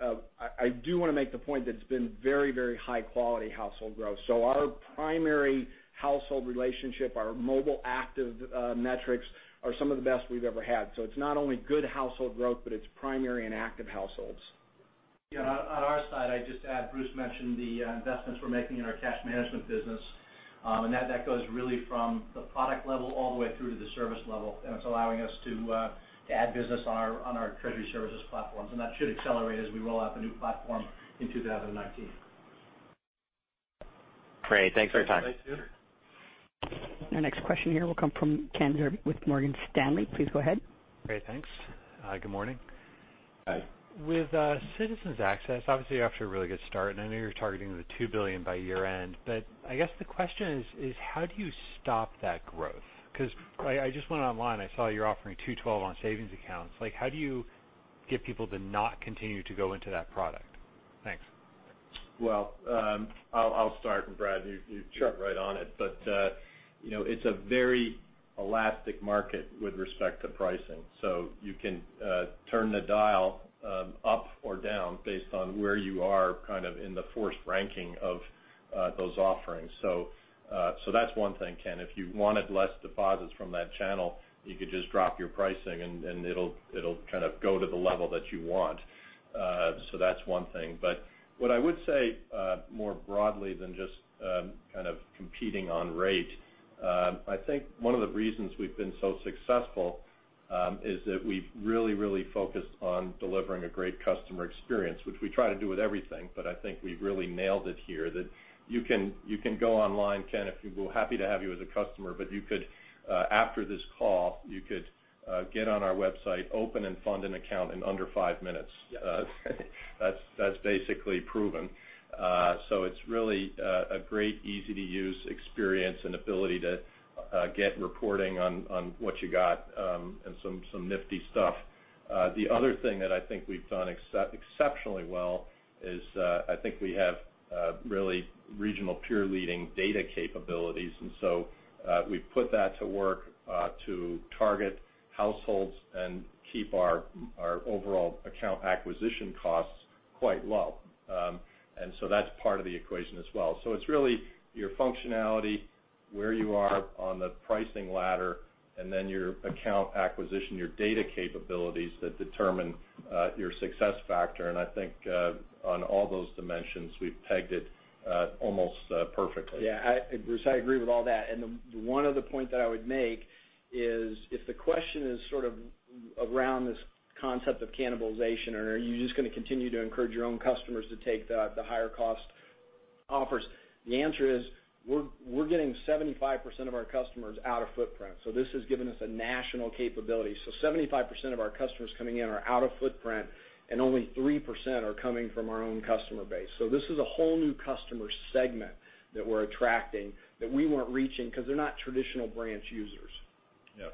[SPEAKER 9] I do want to make the point that it's been very high-quality household growth. Our primary household relationship, our mobile active metrics are some of the best we've ever had. It's not only good household growth, but it's primary and active households.
[SPEAKER 6] Yeah. On our side, I'd just add, Bruce mentioned the investments we're making in our cash management business, that goes really from the product level all the way through to the service level. It's allowing us to add business on our treasury services platforms. That should accelerate as we roll out the new platform in 2019.
[SPEAKER 10] Great. Thanks for your time.
[SPEAKER 3] Thanks, Peter.
[SPEAKER 1] Our next question here will come from Kenneth Zerbe with Morgan Stanley. Please go ahead.
[SPEAKER 11] Great, thanks. Good morning.
[SPEAKER 3] Hi.
[SPEAKER 11] With Citizens Access, obviously, you're off to a really good start, and I know you're targeting the $2 billion by year-end, but I guess the question is how do you stop that growth? Because I just went online, I saw you're offering 212 on savings accounts. How do you get people to not continue to go into that product? Thanks.
[SPEAKER 3] I'll start, Brad.
[SPEAKER 11] Sure
[SPEAKER 3] jumped right on it. It's a very elastic market with respect to pricing. You can turn the dial up or down based on where you are in the forced ranking of those offerings. That's one thing, Ken. If you wanted less deposits from that channel, you could just drop your pricing, and it'll go to the level that you want. That's one thing. What I would say more broadly than just competing on rate, I think one of the reasons we've been so successful is that we've really focused on delivering a great customer experience, which we try to do with everything, but I think we've really nailed it here, that you can go online, Ken. We're happy to have you as a customer, but you could, after this call, you could get on our website, open and fund an account in under five minutes.
[SPEAKER 11] Yeah.
[SPEAKER 3] That's basically proven. It's really a great, easy-to-use experience and ability to get reporting on what you got, and some nifty stuff. The other thing that I think we've done exceptionally well is I think we have really regional peer leading data capabilities, we've put that to work to target households and keep our overall account acquisition costs quite low. That's part of the equation as well. It's really your functionality, where you are on the pricing ladder, and then your account acquisition, your data capabilities that determine your success factor. I think, on all those dimensions, we've pegged it almost perfectly.
[SPEAKER 9] Yeah. Bruce, I agree with all that. The one other point that I would make is if the question is sort of around this concept of cannibalization, or are you just going to continue to encourage your own customers to take the higher cost offers? The answer is, we're getting 75% of our customers out of footprint. This has given us a national capability. 75% of our customers coming in are out of footprint, and only 3% are coming from our own customer base. This is a whole new customer segment that we're attracting that we weren't reaching because they're not traditional branch users.
[SPEAKER 3] Yep.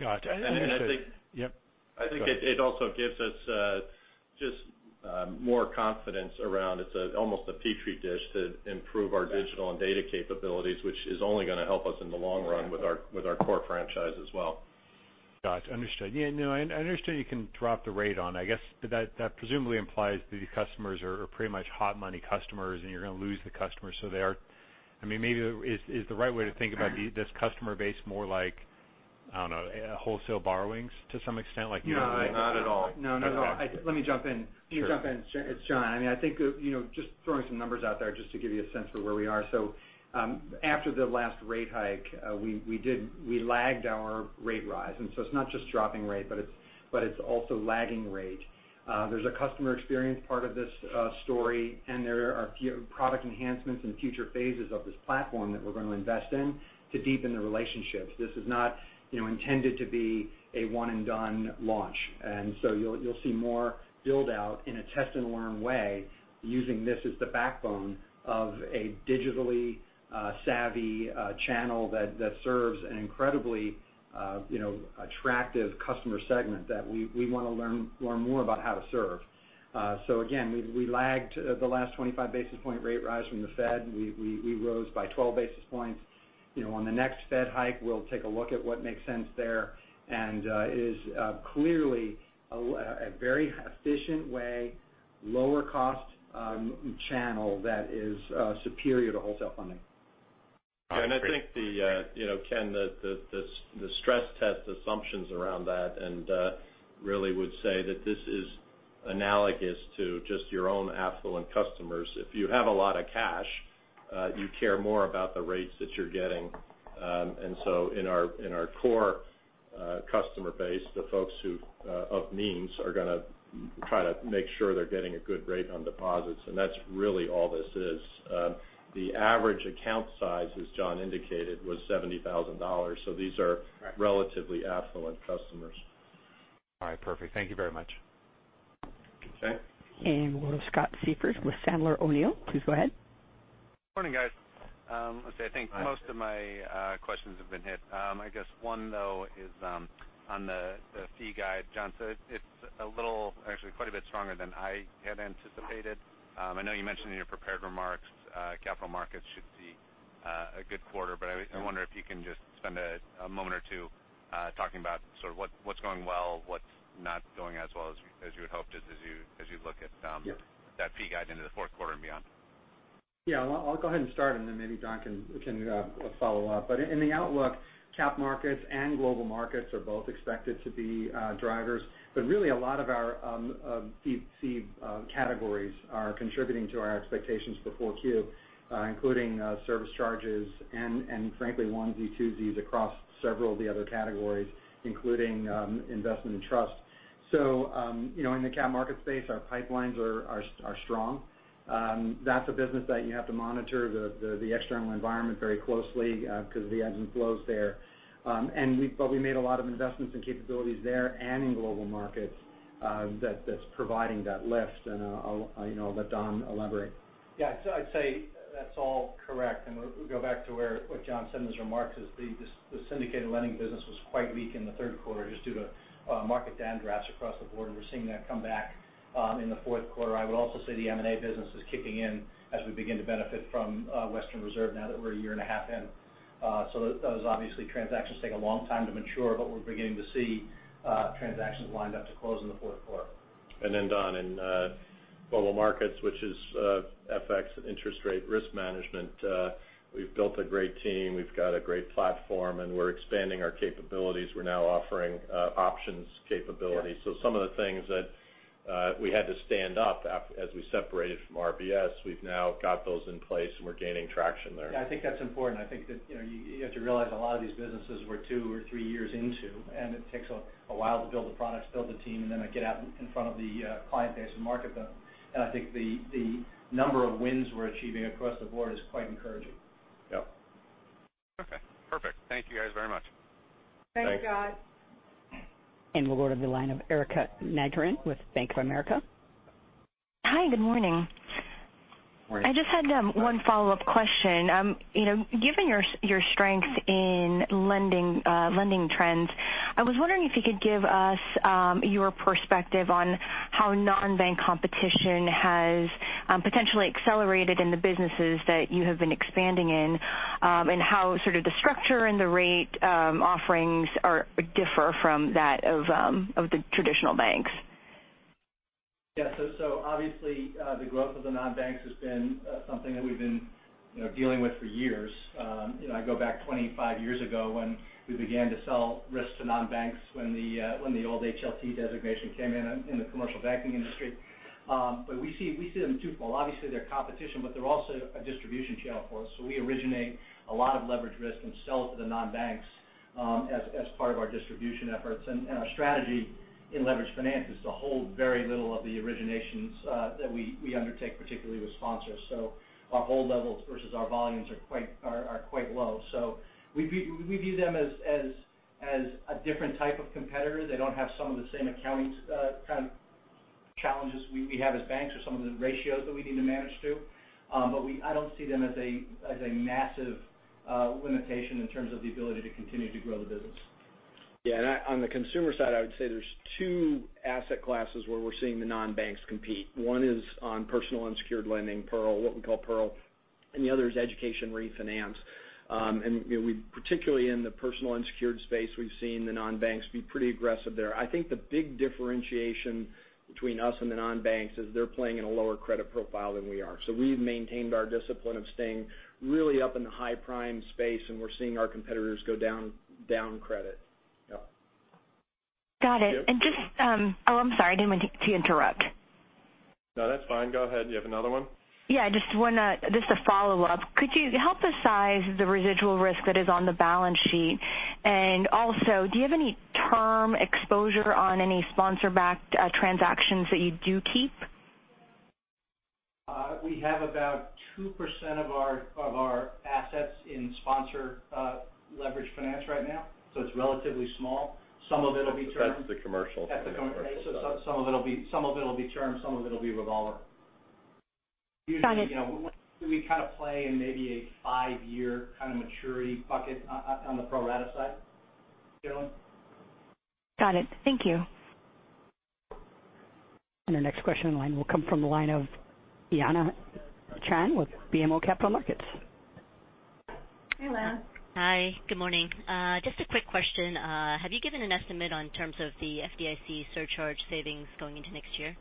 [SPEAKER 11] Got it.
[SPEAKER 3] And I think-
[SPEAKER 11] Yep. Go ahead
[SPEAKER 3] it also gives us just more confidence around, it's almost a petri dish to improve our digital and data capabilities, which is only going to help us in the long run with our core franchise as well.
[SPEAKER 11] Got you. Understood. No, I understand you can drop the rate on. I guess that presumably implies that your customers are pretty much hot money customers, and you're going to lose the customers. Maybe is the right way to think about this customer base more like, I don't know, wholesale borrowings to some extent?
[SPEAKER 3] No, not at all.
[SPEAKER 4] No, not at all. Let me jump in.
[SPEAKER 11] Sure.
[SPEAKER 4] Let me jump in. It's John. I think just throwing some numbers out there just to give you a sense of where we are. After the last rate hike, we lagged our rate rise. It's not just dropping rate, but it's also lagging rate. There's a customer experience part of this story, and there are product enhancements in future phases of this platform that we're going to invest in to deepen the relationships. This is not intended to be a one-and-done launch. You'll see more build-out in a test-and-learn way using this as the backbone of a digitally savvy channel that serves an incredibly attractive customer segment that we want to learn more about how to serve. Again, we lagged the last 25 basis point rate rise from the Fed. We rose by 12 basis points. On the next Fed hike, we'll take a look at what makes sense there. It is clearly a very efficient way, lower cost channel that is superior to wholesale funding.
[SPEAKER 11] All right. Great.
[SPEAKER 3] I think, Ken, the stress test assumptions around that, really would say that this is analogous to just your own affluent customers. If you have a lot of cash, you care more about the rates that you're getting. In our core customer base, the folks of means are going to try to make sure they're getting a good rate on deposits, that's really all this is. The average account size, as John indicated, was $70,000. These are-
[SPEAKER 4] Right
[SPEAKER 3] relatively affluent customers.
[SPEAKER 11] All right. Perfect. Thank you very much.
[SPEAKER 3] Okay.
[SPEAKER 1] We'll go to Scott Siefers with Sandler O'Neill. Please go ahead.
[SPEAKER 12] Morning, guys. I'll say I think most of my questions have been hit. I guess one, though, is on the fee guide. John, it's a little, actually quite a bit stronger than I had anticipated. I know you mentioned in your prepared remarks capital markets should see A good quarter. I wonder if you can just spend a moment or two talking about what's going well, what's not going as well as you had hoped.
[SPEAKER 4] Yes
[SPEAKER 12] that peak out into the fourth quarter and beyond.
[SPEAKER 4] I'll go ahead and start, and then maybe Don can follow up. In the outlook, cap markets and global markets are both expected to be drivers. Really a lot of our DDA categories are contributing to our expectations for 4Q, including service charges and frankly, ones and twos across several of the other categories, including investment and trust. In the cap market space, our pipelines are strong. That's a business that you have to monitor the external environment very closely because of the ebbs and flows there. But we made a lot of investments in capabilities there and in global markets that's providing that lift. I'll let Don elaborate.
[SPEAKER 6] I'd say that's all correct. We'll go back to what John said in his remarks is the syndicated lending business was quite weak in the third quarter just due to market downdrafts across the board, and we're seeing that come back in the fourth quarter. I would also say the M&A business is kicking in as we begin to benefit from Western Reserve now that we're a year and a half in. Those, obviously, transactions take a long time to mature, but we're beginning to see transactions lined up to close in the fourth quarter.
[SPEAKER 3] Don, in global markets, which is FX and interest rate risk management, we've built a great team, we've got a great platform, and we're expanding our capabilities. We're now offering options capabilities.
[SPEAKER 6] Yeah.
[SPEAKER 3] some of the things that we had to stand up as we separated from RBS, we've now got those in place, and we're gaining traction there.
[SPEAKER 6] Yeah, I think that's important. I think that you have to realize a lot of these businesses we're two or three years into, and it takes a while to build the products, build the team, and then get out in front of the client base and market them. I think the number of wins we're achieving across the board is quite encouraging.
[SPEAKER 3] Yeah.
[SPEAKER 12] Okay, perfect. Thank you guys very much.
[SPEAKER 6] Thanks.
[SPEAKER 4] Thanks.
[SPEAKER 1] We'll go to the line of Erika Najarian with Bank of America.
[SPEAKER 13] Hi, good morning.
[SPEAKER 3] Morning.
[SPEAKER 13] I just had one follow-up question. Given your strength in lending trends, I was wondering if you could give us your perspective on how non-bank competition has potentially accelerated in the businesses that you have been expanding in, and how sort of the structure and the rate offerings differ from that of the traditional banks.
[SPEAKER 6] Yeah. Obviously, the growth of the non-banks has been something that we've been dealing with for years. I go back 25 years ago when we began to sell risk to non-banks when the old HLT designation came in in the commercial banking industry. We see them twofold. Obviously, they're competition, but they're also a distribution channel for us. We originate a lot of leverage risk and sell it to the non-banks as part of our distribution efforts. Our strategy in leveraged finance is to hold very little of the originations that we undertake, particularly with sponsors. Our hold levels versus our volumes are quite low. We view them as a different type of competitor. They don't have some of the same accounting kind of challenges we have as banks or some of the ratios that we need to manage to. I don't see them as a massive limitation in terms of the ability to continue to grow the business.
[SPEAKER 3] On the consumer side, I would say there's two asset classes where we're seeing the non-banks compete. One is on personal unsecured lending, PEARL, what we call PEARL, and the other is education refinance. Particularly in the personal unsecured space, we've seen the non-banks be pretty aggressive there. I think the big differentiation between us and the non-banks is they're playing in a lower credit profile than we are. We've maintained our discipline of staying really up in the high prime space, and we're seeing our competitors go down credit.
[SPEAKER 6] Yeah.
[SPEAKER 13] Got it.
[SPEAKER 3] Yep.
[SPEAKER 13] Oh, I'm sorry. I didn't mean to interrupt.
[SPEAKER 3] No, that's fine. Go ahead. Do you have another one?
[SPEAKER 13] Yeah, just a follow-up. Could you help us size the residual risk that is on the balance sheet? Also, do you have any term exposure on any sponsor-backed transactions that you do keep?
[SPEAKER 6] We have about 2% of our assets in sponsor leveraged finance right now. It's relatively small. Some of it will be term
[SPEAKER 3] That's the commercial finance
[SPEAKER 6] That's the commercial. Some of it will be term, some of it will be revolver.
[SPEAKER 13] Got it.
[SPEAKER 6] Usually, we kind of play in maybe a five-year kind of maturity bucket on the pro rata side generally.
[SPEAKER 13] Got it. Thank you.
[SPEAKER 1] Our next question in line will come from the line of Lana Chan with BMO Capital Markets.
[SPEAKER 13] Hey, Lana.
[SPEAKER 14] Hi, good morning. Just a quick question. Have you given an estimate on terms of the FDIC surcharge savings going into next year?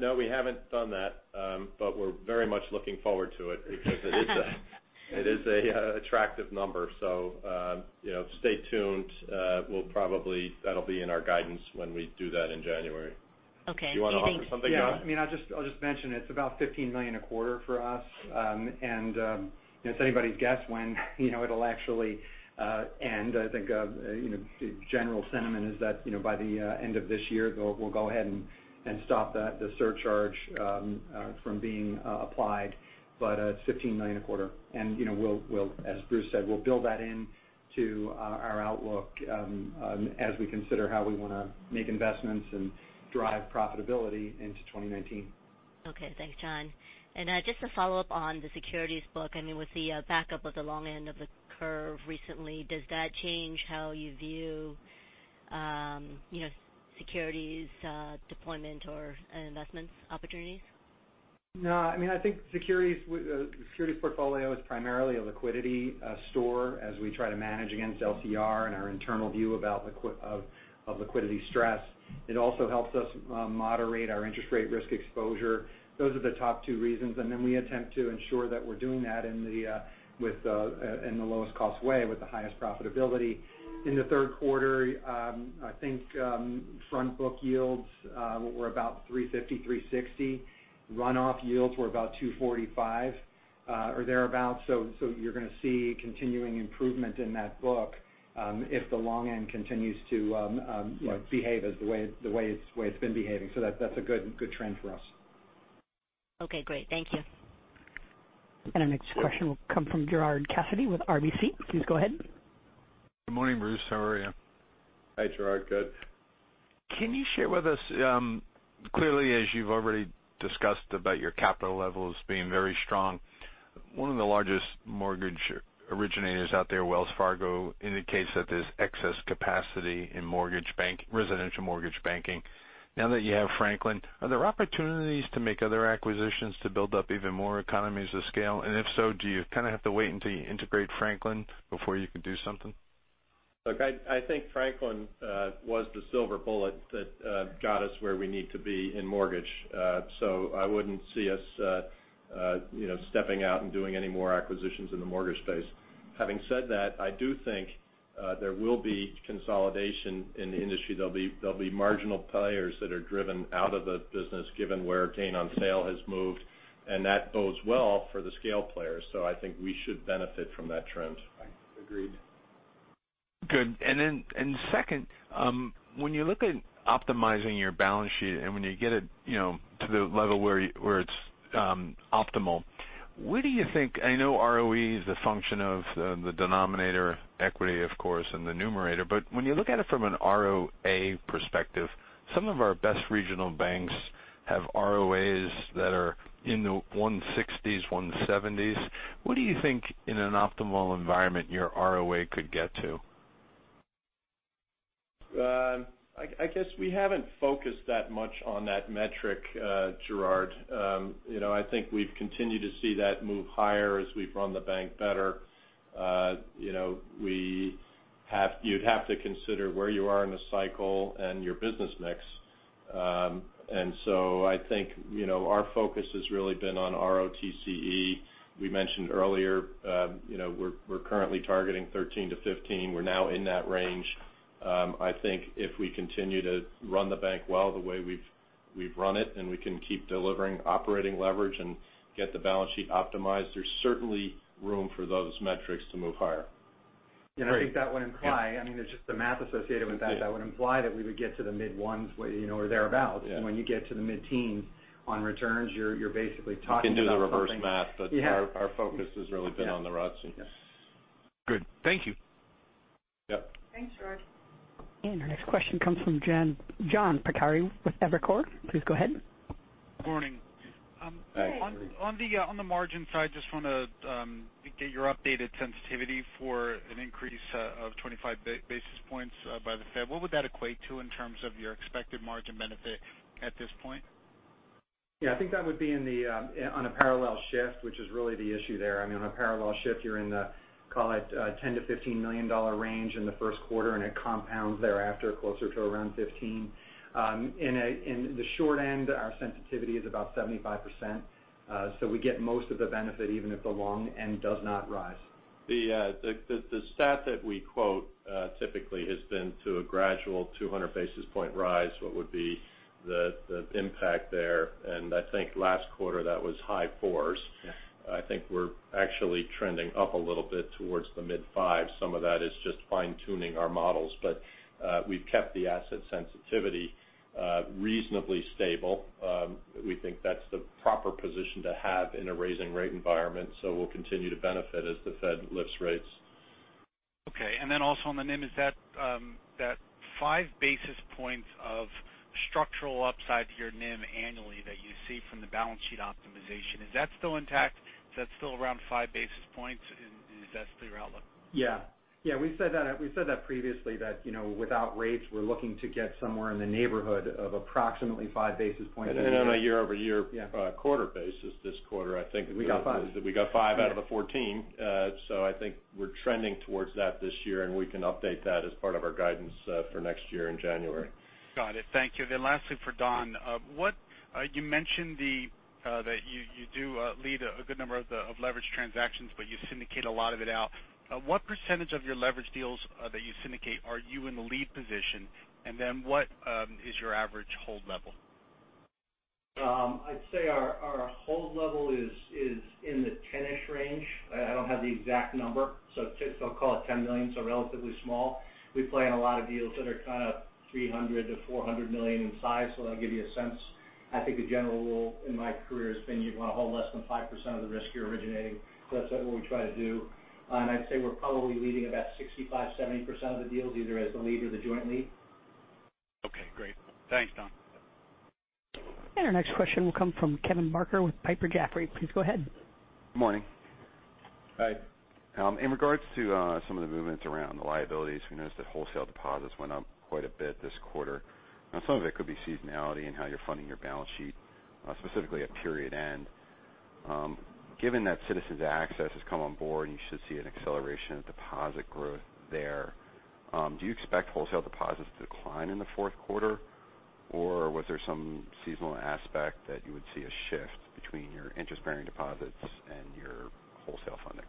[SPEAKER 3] No, we haven't done that. We're very much looking forward to it because it is a attractive number. Stay tuned. That'll be in our guidance when we do that in January.
[SPEAKER 14] Okay.
[SPEAKER 3] Do you want to offer something, John?
[SPEAKER 4] Yeah. I'll just mention it's about $15 million a quarter for us. It's anybody's guess when it'll actually end. I think the general sentiment is that by the end of this year, we'll go ahead and stop the surcharge from being applied. It's $15 million a quarter. As Bruce said, we'll build that into our outlook as we consider how we want to make investments and drive profitability into 2019.
[SPEAKER 14] Okay. Thanks, John. Just to follow up on the securities book, with the backup of the long end of the curve recently, does that change how you view securities deployment or investments opportunities?
[SPEAKER 4] No. I think the securities portfolio is primarily a liquidity store as we try to manage against LCR and our internal view of liquidity stress. It also helps us moderate our interest rate risk exposure. Those are the top two reasons. We attempt to ensure that we're doing that in the lowest cost way with the highest profitability. In the third quarter, I think front book yields were about 350, 360. Runoff yields were about 245 or thereabout. You're going to see continuing improvement in that book if the long end continues to behave as the way it's been behaving. That's a good trend for us.
[SPEAKER 14] Okay, great. Thank you.
[SPEAKER 1] Our next question will come from Gerard Cassidy with RBC. Please go ahead.
[SPEAKER 15] Good morning, Bruce. How are you?
[SPEAKER 3] Hi, Gerard. Good.
[SPEAKER 15] Can you share with us, clearly, as you've already discussed about your capital levels being very strong, one of the largest mortgage originators out there, Wells Fargo, indicates that there's excess capacity in residential mortgage banking. Now that you have Franklin, are there opportunities to make other acquisitions to build up even more economies of scale? If so, do you kind of have to wait until you integrate Franklin before you could do something?
[SPEAKER 3] I think Franklin was the silver bullet that got us where we need to be in mortgage. I wouldn't see us stepping out and doing any more acquisitions in the mortgage space. Having said that, I do think there will be consolidation in the industry. There'll be marginal players that are driven out of the business given where gain on sale has moved, and that bodes well for the scale players. I think we should benefit from that trend.
[SPEAKER 4] I agreed.
[SPEAKER 15] Good. Second, when you look at optimizing your balance sheet and when you get it to the level where it's optimal, where do you think? I know ROE is a function of the denominator equity, of course, and the numerator, but when you look at it from an ROA perspective, some of our best regional banks have ROAs that are in the 160s, 170s. What do you think in an optimal environment your ROA could get to?
[SPEAKER 3] I guess we haven't focused that much on that metric, Gerard. I think we've continued to see that move higher as we've run the bank better. You'd have to consider where you are in the cycle and your business mix. I think our focus has really been on ROTCE. We mentioned earlier we're currently targeting 13 to 15. We're now in that range. I think if we continue to run the bank well the way we've run it, and we can keep delivering operating leverage and get the balance sheet optimized, there's certainly room for those metrics to move higher.
[SPEAKER 4] I think that would imply, there's just the math associated with that would imply that we would get to the mid ones or thereabout.
[SPEAKER 3] Yeah.
[SPEAKER 4] When you get to the mid teens on returns, you're basically talking about.
[SPEAKER 3] We can do the reverse math.
[SPEAKER 4] Yeah.
[SPEAKER 3] Our focus has really been on the ROTCE.
[SPEAKER 4] Yes.
[SPEAKER 15] Good. Thank you.
[SPEAKER 3] Yep.
[SPEAKER 14] Thanks, Gerard.
[SPEAKER 1] Our next question comes from John Pancari with Evercore. Please go ahead.
[SPEAKER 16] Morning.
[SPEAKER 3] Hi.
[SPEAKER 16] On the margin side, just want to get your updated sensitivity for an increase of 25 basis points by the Fed. What would that equate to in terms of your expected margin benefit at this point?
[SPEAKER 4] Yeah, I think that would be on a parallel shift, which is really the issue there. On a parallel shift, you're in the, call it, $10 million to $15 million range in the first quarter, and it compounds thereafter closer to around $15 million. In the short end, our sensitivity is about 75%, so we get most of the benefit even if the long end does not rise.
[SPEAKER 3] The stat that we quote typically has been to a gradual 200 basis point rise, what would be the impact there. I think last quarter that was high fours.
[SPEAKER 4] Yeah.
[SPEAKER 3] I think we're actually trending up a little bit towards the mid fives. Some of that is just fine-tuning our models. We've kept the asset sensitivity reasonably stable. We think that's the proper position to have in a rising rate environment. We'll continue to benefit as the Fed lifts rates.
[SPEAKER 16] Okay. Then also on the NIM, is that five basis points of structural upside to your NIM annually that you see from the balance sheet optimization, is that still intact? Is that still around five basis points? Is that still your outlook?
[SPEAKER 4] Yeah. We said that previously, that without rates, we're looking to get somewhere in the neighborhood of approximately five basis points.
[SPEAKER 3] And on a year over year-
[SPEAKER 4] Yeah
[SPEAKER 3] quarter basis this quarter, I think-
[SPEAKER 4] We got five
[SPEAKER 3] We got five out of the 14. I think we're trending towards that this year, we can update that as part of our guidance for next year in January.
[SPEAKER 16] Got it. Thank you. Lastly, for Don McCree, you mentioned that you do lead a good number of leverage transactions, you syndicate a lot of it out. What % of your leverage deals that you syndicate are you in the lead position? What is your average hold level?
[SPEAKER 6] I'd say our hold level is in the ten-ish range. I don't have the exact number. I'll call it $10 million, relatively small. We play in a lot of deals that are kind of $300 million-$400 million in size. That'll give you a sense. I think the general rule in my career has been you'd want to hold less than 5% of the risk you're originating. That's what we try to do. I'd say we're probably leading about 65%-70% of the deals, either as the lead or the joint lead.
[SPEAKER 16] Okay, great. Thanks, Don McCree.
[SPEAKER 1] Our next question will come from Kevin Barker with Piper Jaffray. Please go ahead.
[SPEAKER 17] Good morning.
[SPEAKER 4] Hi.
[SPEAKER 17] In regards to some of the movements around the liabilities, we noticed that wholesale deposits went up quite a bit this quarter. Now, some of it could be seasonality in how you're funding your balance sheet, specifically at period end. Given that Citizens Access has come on board, and you should see an acceleration of deposit growth there, do you expect wholesale deposits to decline in the fourth quarter? Or was there some seasonal aspect that you would see a shift between your interest-bearing deposits and your wholesale funding?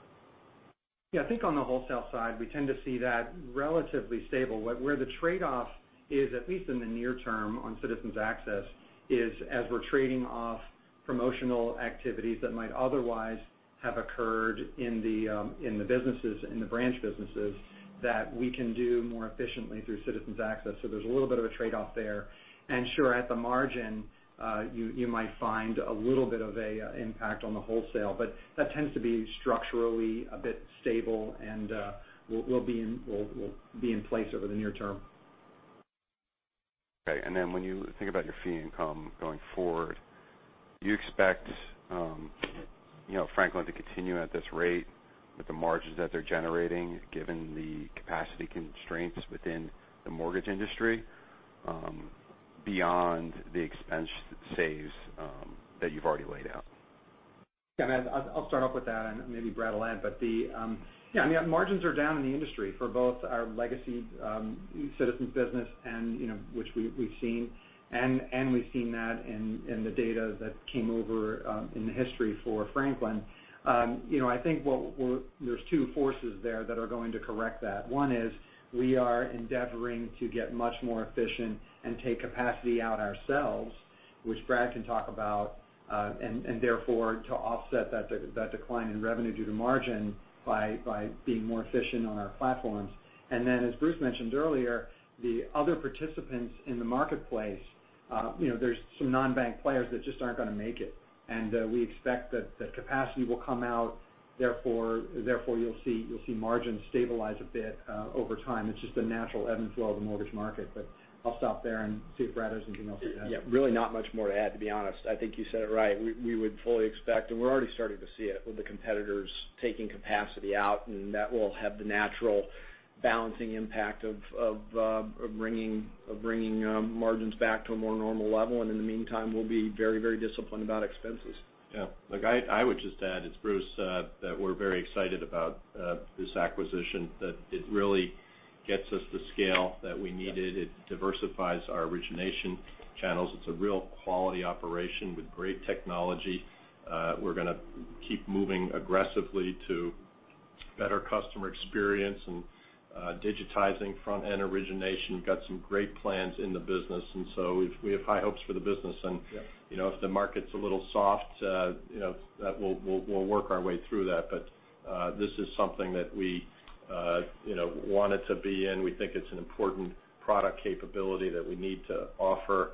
[SPEAKER 4] Yeah, I think on the wholesale side, we tend to see that relatively stable. Where the trade-off is, at least in the near term on Citizens Access, is as we're trading off promotional activities that might otherwise have occurred in the branch businesses that we can do more efficiently through Citizens Access. There's a little bit of a trade-off there. Sure, at the margin, you might find a little bit of an impact on the wholesale, but that tends to be structurally a bit stable and will be in place over the near term.
[SPEAKER 3] Okay. When you think about your fee income going forward, do you expect Franklin to continue at this rate with the margins that they're generating, given the capacity constraints within the mortgage industry, beyond the expense saves that you've already laid out?
[SPEAKER 4] Yeah, I'll start off with that, and maybe Brad will add. The margins are down in the industry for both our legacy Citizens business, which we've seen, and we've seen that in the data that came over in the history for Franklin. I think there's two forces there that are going to correct that. One is we are endeavoring to get much more efficient and take capacity out ourselves, which Brad can talk about, and therefore to offset that decline in revenue due to margin by being more efficient on our platforms. Then as Bruce mentioned earlier, the other participants in the marketplace, there's some non-bank players that just aren't going to make it, and we expect that the capacity will come out. Therefore, you'll see margins stabilize a bit over time. It's just the natural ebb and flow of the mortgage market. I'll stop there and see if Brad has anything else to add.
[SPEAKER 9] Yeah, really not much more to add, to be honest. I think you said it right. We would fully expect, and we're already starting to see it with the competitors taking capacity out, and that will have the natural balancing impact of bringing margins back to a more normal level. In the meantime, we'll be very disciplined about expenses.
[SPEAKER 4] Yeah.
[SPEAKER 3] I would just add, it's Bruce, that we're very excited about this acquisition, that it really gets us the scale that we needed. It diversifies our origination channels. It's a real quality operation with great technology. We're going to keep moving aggressively to better customer experience and digitizing front-end origination. We've got some great plans in the business, we have high hopes for the business. If the market's a little soft, we'll work our way through that. This is something that we wanted to be in. We think it's an important product capability that we need to offer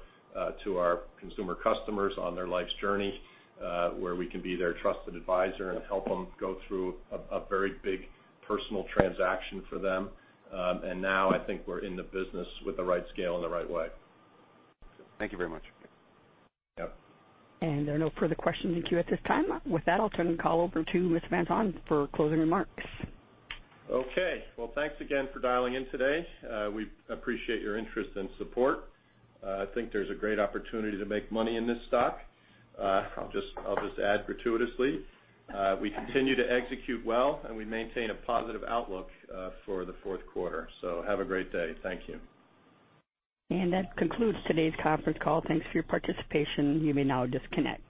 [SPEAKER 3] to our consumer customers on their life's journey where we can be their trusted advisor and help them go through a very big personal transaction for them. Now I think we're in the business with the right scale and the right way. Thank you very much.
[SPEAKER 4] Yeah.
[SPEAKER 1] There are no further questions in queue at this time. With that, I'll turn the call over to Mr. Van Saun for closing remarks.
[SPEAKER 3] Well, thanks again for dialing in today. We appreciate your interest and support. I think there's a great opportunity to make money in this stock. I'll just add gratuitously. We continue to execute well, we maintain a positive outlook for the fourth quarter. Have a great day. Thank you.
[SPEAKER 1] That concludes today's conference call. Thanks for your participation. You may now disconnect.